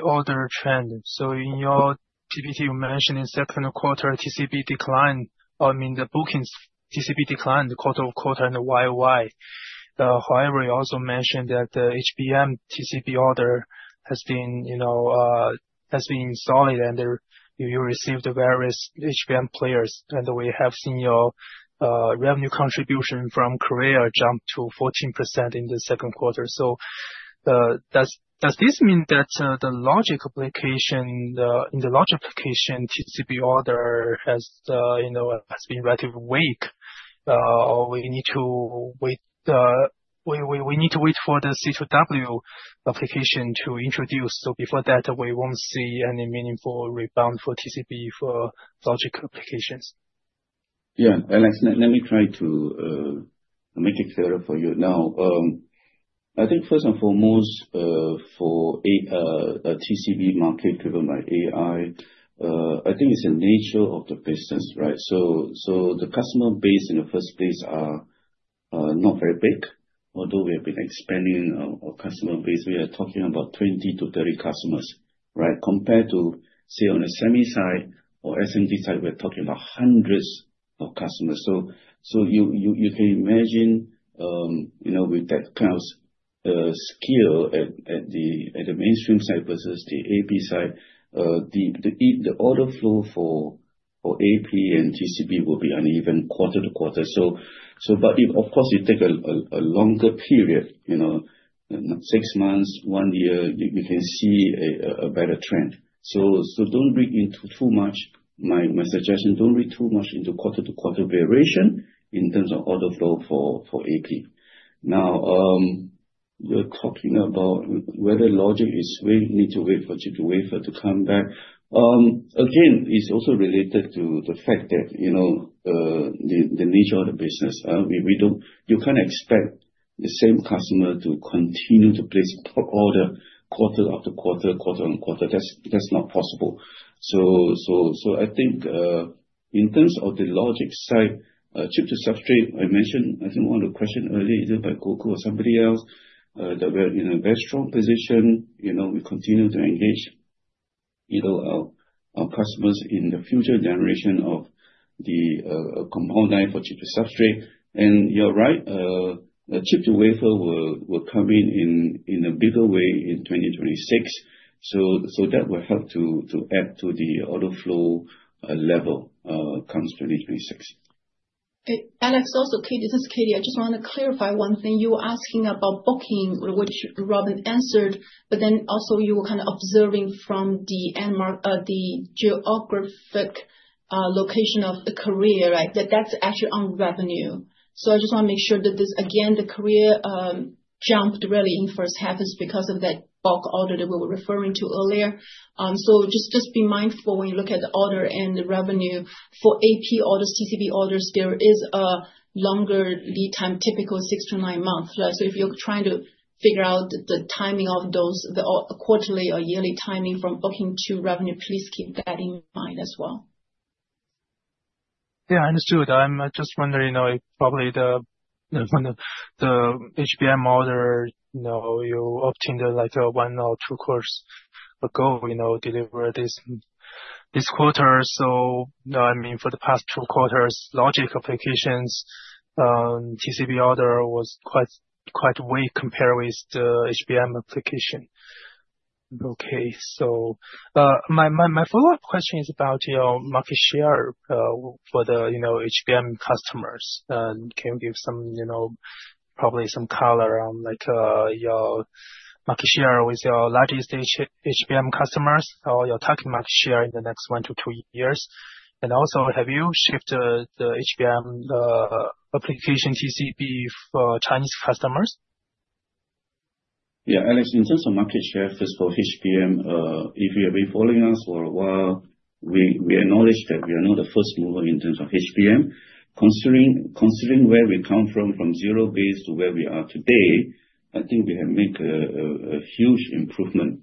Speaker 1: order trend. In your TPT you mentioned in the second quarter TCB declined, I mean the bookings, TCB declined quarter over year-over-year. However, you also mentioned that the HBM TCB order has been, you know, has been solid and you received various HBM players and we have seen your revenue contribution from Korea jump to 14% in the second quarter. Does this mean that the logic application in the large application TCB order has, you know, has been relatively weak? We need to wait for the C2W application to introduce. Before that we won't see any meaningful rebound for TCB for logic applications.
Speaker 2: Yeah. Alex, let me try to make it clearer for you now. I think first and foremost for a TCB market driven by AI, I think it's the nature of the business, right? The customer base in the first place is not very big. Although we have been expanding our customer base, we are talking about 20 to 30 customers compared to, say, on the semi side or SMT side, we're talking about hundreds of customers. You can imagine with that cloud scale at the mainstream side versus the AP side, the order flow for AP and TCB will be uneven quarter to quarter. Of course, it takes a longer period, you know, six months, one year. We can see a better trend. My suggestion, don't read too much into quarter to quarter variation in terms of order flow for AP. Now, you're talking about whether logic is we need to wait for chip-to-wafer to come back again. It's also related to the fact that, you know, the nature of the business, you can't expect the same customer to continue to place order quarter after quarter. Quarter on quarter, that's not possible. I think in terms of the logic side, chip to substrate I mentioned, I think one of the questions earlier, either by Gokul or somebody else, that we're in a very strong position. We continue to engage our customers in the future generation of the compound die for chip to substrate. You're right, chip-to-wafer will come in in a bigger way in 2026. That will help to add to the order flow level come 2026.
Speaker 3: Alex, also Katie, this is Katie. I just want to clarify one thing. You were asking about bookings, which Robin answered, but then also you were kind of observing from the geographic location of the Korea, right? That's actually on revenue. I just want to make sure that this, again, the Korea jump really first happens because of that bulk order that we were referring to earlier. Just be mindful when you look at the order and the revenue for AP orders, TCB orders, there is a longer lead time, typically six to nine months. If you're trying to figure out the timing of those, the quarterly or yearly timing from booking to revenue period, please keep that in mind as well. Yeah, I understood. I'm just wondering, probably the HBM order you obtained like one or two quarters ago delivered this quarter. I mean for the past two or four logic applications, TCB order was quite weak compared with the HBM application. My follow-up question is about your market share for the HBM customers. Can you give probably some color on your market share with your largest HBM customers or your target market share in the next one to two years? Also, have you shifted the HBM application TCB for Chinese customers?
Speaker 2: Yes. Alex, in terms of market share, first of HBM, if you have been following us for a while, we acknowledge that we are not the first mover in terms of HBM. Considering where we come from, from zero base to where we are today, I think we have made a huge improvement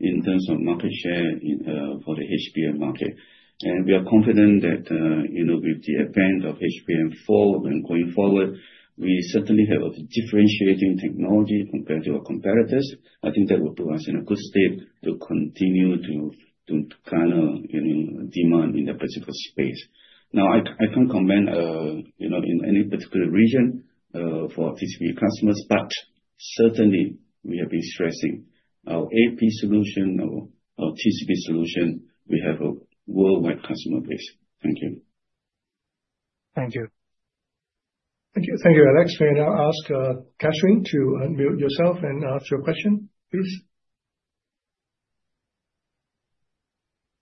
Speaker 2: in terms of market share for the HBM market. We are confident that with the event of HBM going forward, we certainly have a differentiating technology compared to our competitors. I think that will put us in a good state to continue to kind of demand in the principal space. Now I can't comment in any particular region for TCB customers, but certainly we have been stressing our AP solution or our TCB solution. We have worldwide customer base. Thank you. Thank you.
Speaker 1: Thank you. Thank you. Alex, may I now ask Catherine to unmute yourself and ask your question, please?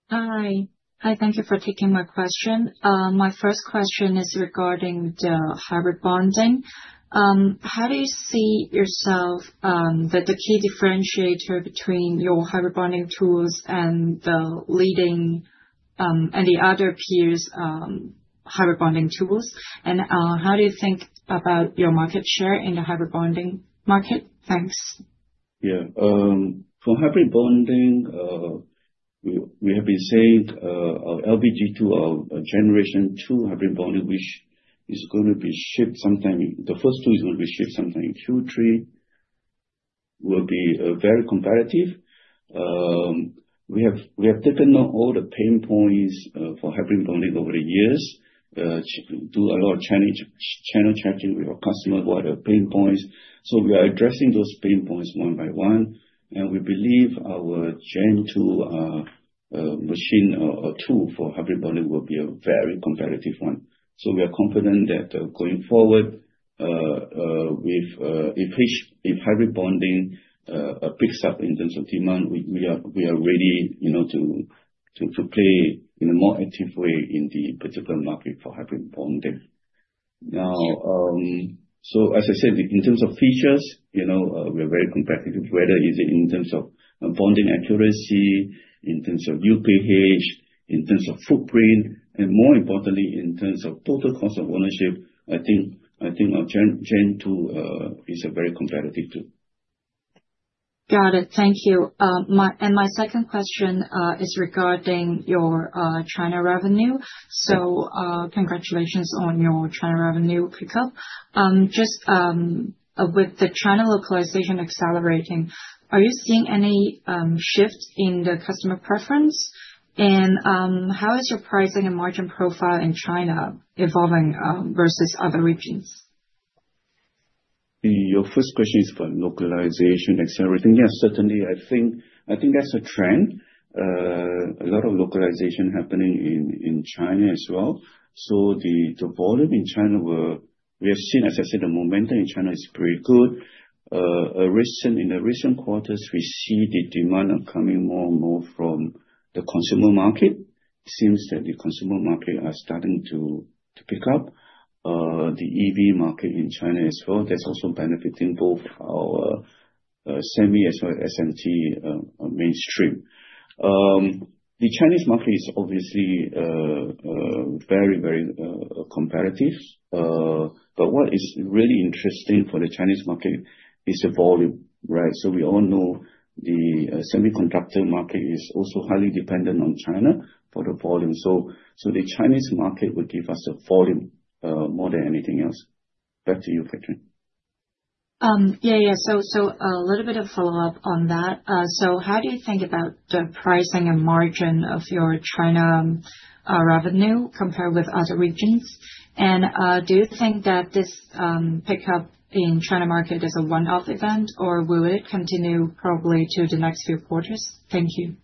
Speaker 1: Thank you for taking my question. My first question is regarding the hybrid bonding. How do you see yourself that the key differentiator between your hybrid bonding tools and the leading and the other peers' hybrid bonding tools? How do you think about your market share in the hybrid bonding market? Thanks.
Speaker 2: Yeah, for hybrid bonding we have been saying LBG2 Generation 2 hybrid bonding which is going to be shipped sometime. The first two will be shipped sometime soon. Three will be very competitive. We have taken on all the pain points for hybrid bonding over the years, do a lot of channel checking with our customers. What are the pain points? We are addressing those pain points one by one and we believe our Gen 2 machine tool for hybrid bonding will be a very competitive one. We are confident that going forward, if hybrid bonding picks up in terms of demand, we are ready to play in a more active way in the particular market for hybrid bonding. As I said, in terms of features we are very competitive. Whether it is in terms of bonding accuracy, in terms of new physical, in terms of footprint, and more importantly in terms of total cost of ownership, I think Gen 2 is very competitive too. Got it, thank you. My second question is regarding your China revenue. Congratulations on your China revenue pickup. With the China localization accelerating, are you seeing any shifts in the customer preference? How is your pricing and margin profile in China evolving versus other regions? Your first question is for localization accelerating? Yes, certainly I think that's a trend. A lot of localization happening in China as well. The volume in China we have seen, as I said, the momentum in China is pretty good. In the recent quarters we see the demand are coming more and more from the consumer market. Seems that the consumer market are starting to pick up the EV market in China as well. That's also benefiting both our semi as well as SMT mainstream. The Chinese market is obviously very, very common comparative. What is really interesting for the Chinese market is the volume. Right. We all know the semiconductor market is also highly dependent on China for the volume. The Chinese market will give us a volume more than anything else. Back to you, Catherine. Yeah, yeah. A little bit of follow up on that. How do you think about the pricing and margin of your channel China revenue compared with other regions? Do you think that this pickup in China market is a one off event or will it continue, probably to the next few quarters? Thank you.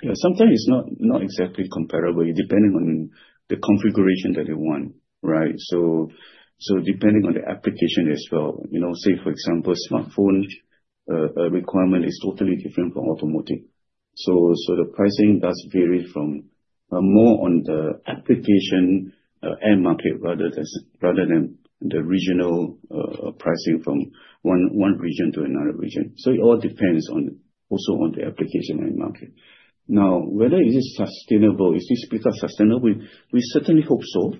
Speaker 2: Yeah, sometimes it's not exactly comparable depending on the configuration that you want, right. Depending on the application as well, for example, smartphone requirement is totally different from automotive, so the pricing does vary more on the application end market rather than the regional pricing from one region to another region. It all depends also on the application end market. Now, whether it is sustainable, we certainly hope so.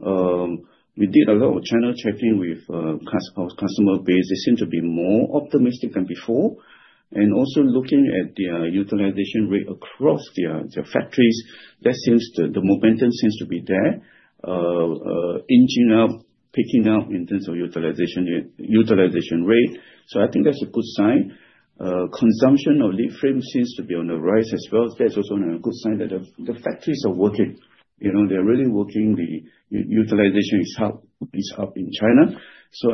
Speaker 2: We did a lot of channel tracking with our customer base. They seem to be more optimistic than before. Also, looking at the utilization rate across their factories, the momentum seems to be there, picking up in terms of utilization rate. I think that's a good sign. Consumption of lead frame seems to be on the rise as well. That's also a good sign that the factories are working, they're really working. The utilization is up in China.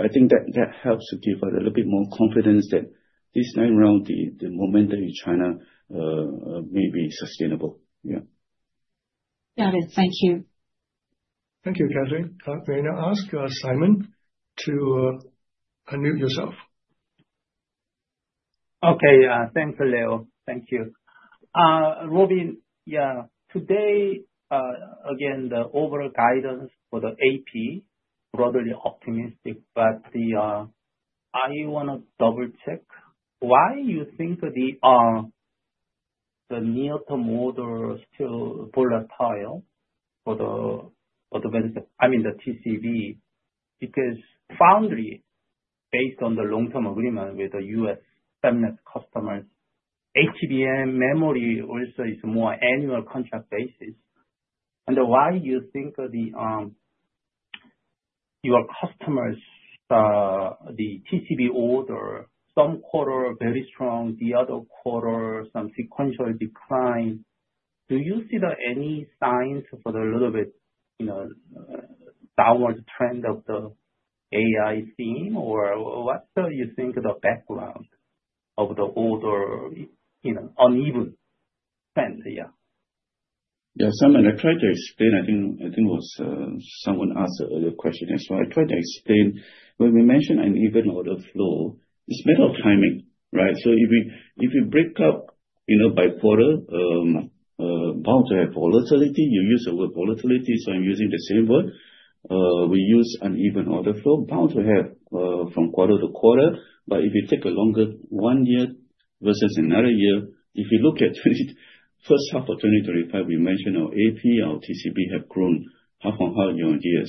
Speaker 2: I think that helps to give us a little bit more confidence that this time around the momentum in China may be sustainable.
Speaker 3: Yeah, got it. Thank you.
Speaker 1: Thank you, Catherine. May I ask Simon to unmute yourself? Okay. Thanks, Leonard. Thank you, Robin. Yeah. Today again the overall guidance for the AP broadly optimistic. I want to double check why you think the near term model still volatile for the benefits. I mean the TCB because foundry based on the long term agreement with the U.S. Feminist customers HBM memory also is more annual contract basis. Why you think your customers the TCB order some quarter very strong, the other quarter some sequential decline. Do you see any signs for the little bit, you know, downward trend of the AI theme or what you think the background of the order in an uneven trend? Yeah, yeah.
Speaker 2: Simon, I tried to explain. I think someone asked the earlier question as well. I tried to explain when we mentioned an uneven order flow. It's metal timing, right? If you break up, you know, by quarter, bound to have volatility. You use the word volatility. I'm using the same word. We use uneven order flow, bound to have from quarter to quarter. If you take a longer one year versus another year, if you look at first half of 2025, we mentioned our AP, our TCB have grown half and half year-on-year.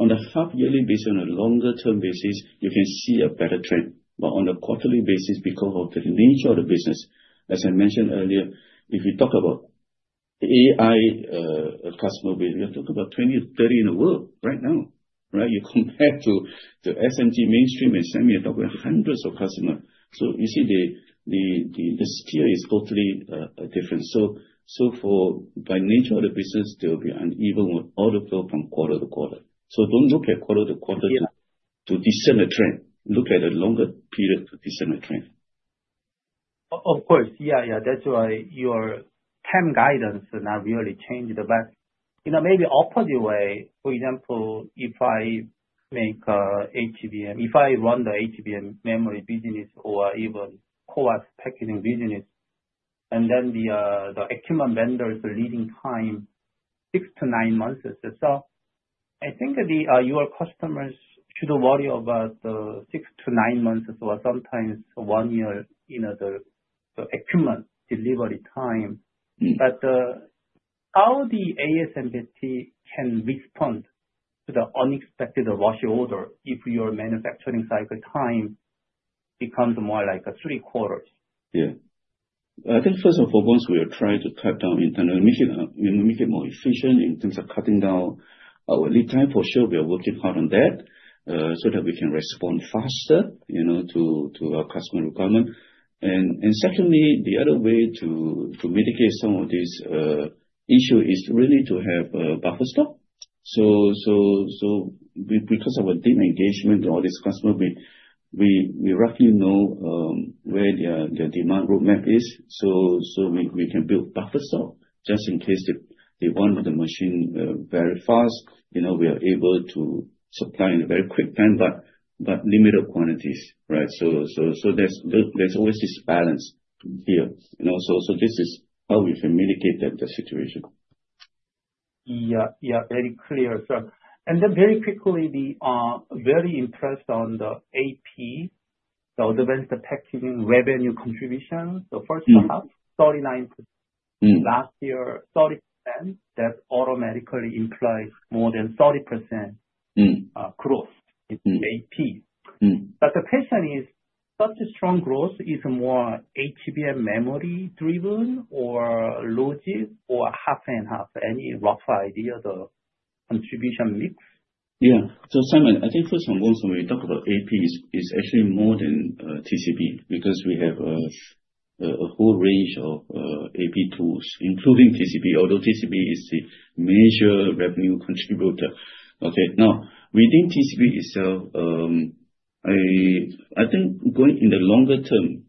Speaker 2: On a half yearly basis, on a longer term basis, you can see a better trend. On a quarterly basis, because of the nature of the business, as I mentioned earlier, if you talk about AI customer base, we have talked about 20. Or 30 in the world right now, right? You compared to the SMT mainstream and some talk with hundreds of customers. You see the sphere is totally different. By nature of the business, there will be uneven order flow from quarter to quarter. Do not look at quarter to quarter to discern the trend. Look at a longer period to discern the trend. Of course, yeah, yeah. That's why your TEM guidance not really changed. For example, if I make HBM, if I run the HBM memory business or even coax packaging business and then the acumen vendors leading time six to nine months. I think your customers should worry about six to nine months or sometimes one year in the equipment delivery time. How can ASMPT respond to the unexpected washer order if your manufacturing cycle time becomes more like three quarters. Yeah, I think first of all, once we are trying to cut down internally, make it more efficient in terms of cutting down our lead time. For sure we are working hard on that so that we can respond faster to our customer requirement. Secondly, the other way to mitigate some of these issue is really to have buffer stock. Because of a deep engagement of this customer, we roughly know where their demand roadmap is. We can build buffer stock just in case they want the machine very fast. You know, we are able to supply in a very quick time, but limited quantities. Right. There is always this balance here. This is how we communicate the situation. Yeah, very clear, sir. Very quickly, we are very impressed on the AP. The Advanced Packaging revenue contributions of first half 39% last year, 30%. That automatically implies more than 30% growth AP. The question is, such a strong growth is more HBM memory driven or loaded or half and half. Any rough idea the contribution mix. Yeah. Simon, I think first and foremost when we talk about AP, it is actually more than TCB because we have a whole range of AP tools, including TCB. Although TCB is the major revenue contributor. Now within TCB itself, I think going in the longer term,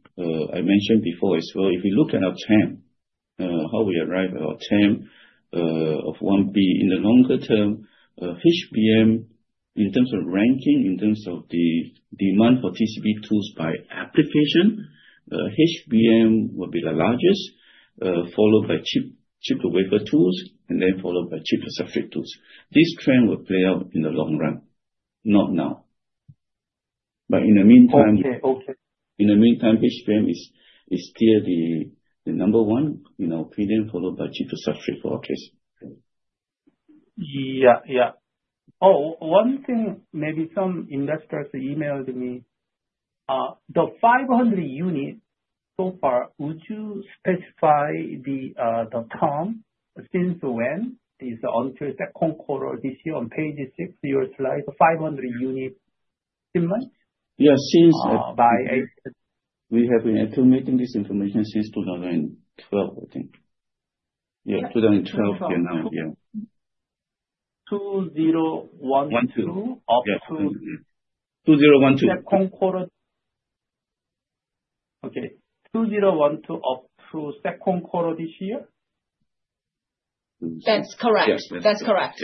Speaker 2: I mentioned before as well, if we look at our TAM, how we arrive at our TAM of $1 billion in the longer term, HBM in terms of ranking in terms of the demand for TCB tools by application, HBM will be the largest, followed by chip-to-wafer tools and then followed by chip to substrate tools. This trend will play out in the long run. Not now, but in the meantime. In the meantime, panel frame is still the number one in our opinion, followed by chip to substrate for our case. Yeah, yeah. One thing. Maybe some investors emailed me the 500 units so far. Would you specify the term? Since when is until the concorder this year. On page six you will slide 500 unit. Yeah. Since we have been acclimating this information since 2012, I think. 2012, second quarter. Okay. 2012, second quarter this year.
Speaker 3: That's correct. That's correct.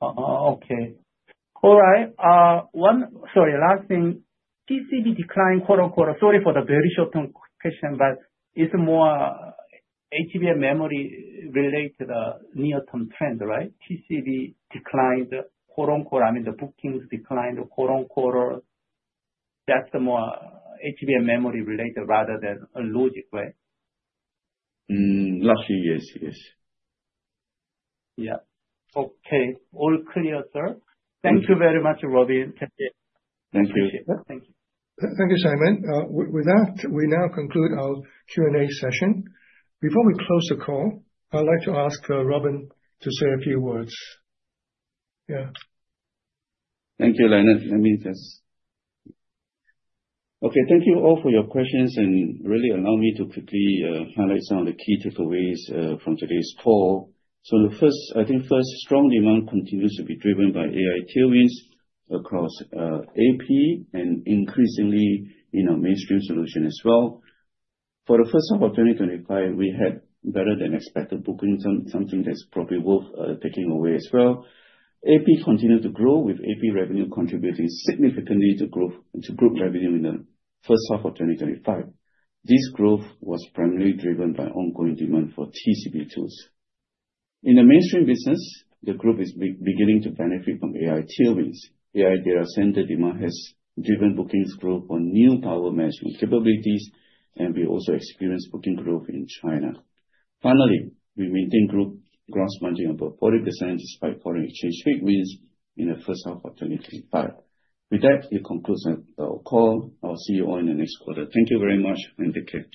Speaker 3: Okay. All right. Sorry, last thing. TCB decline quarter. Sorry for the very short term question, but it's more HBM memory related, near term trend. Right. TCB declined, quote, unquote. I mean, the bookings declined, quote, unquote. That's the more HBM memory related rather than logic.
Speaker 2: Right. Yes. Yes. Yeah. Okay. All clear, sir. Thank you very much, Robin.
Speaker 1: Thank you, Simon. With that, we now conclude our Q and A session. Before we close the call, I'd like to ask Robin to say a few words.
Speaker 2: Thank you, Leonard. Thank you all for your questions and really allow me to quickly highlight some of the key takeaways from today's call. The first, I think, strong demand continues to be driven by AI tailwinds across AP and increasingly in our mainstream solution as well. For the first half of 2025, we had better than expected bookings, something that's probably worth taking away as well. AP continued to grow with AP revenue contributing significantly to growth to group revenue in the first half of 2025. This growth was primarily driven by ongoing demand for TCB tools in the mainstream business. The group is beginning to benefit from AI tailwinds. AI data center demand has driven bookings, growth for new power management capabilities, and we also experienced booking growth in China. Finally, we maintain group gross margin above 40% despite foreign exchange headwinds in the first half of 2025. With that, it concludes the call. I'll see you all in the next quarter. Thank you very much and take care.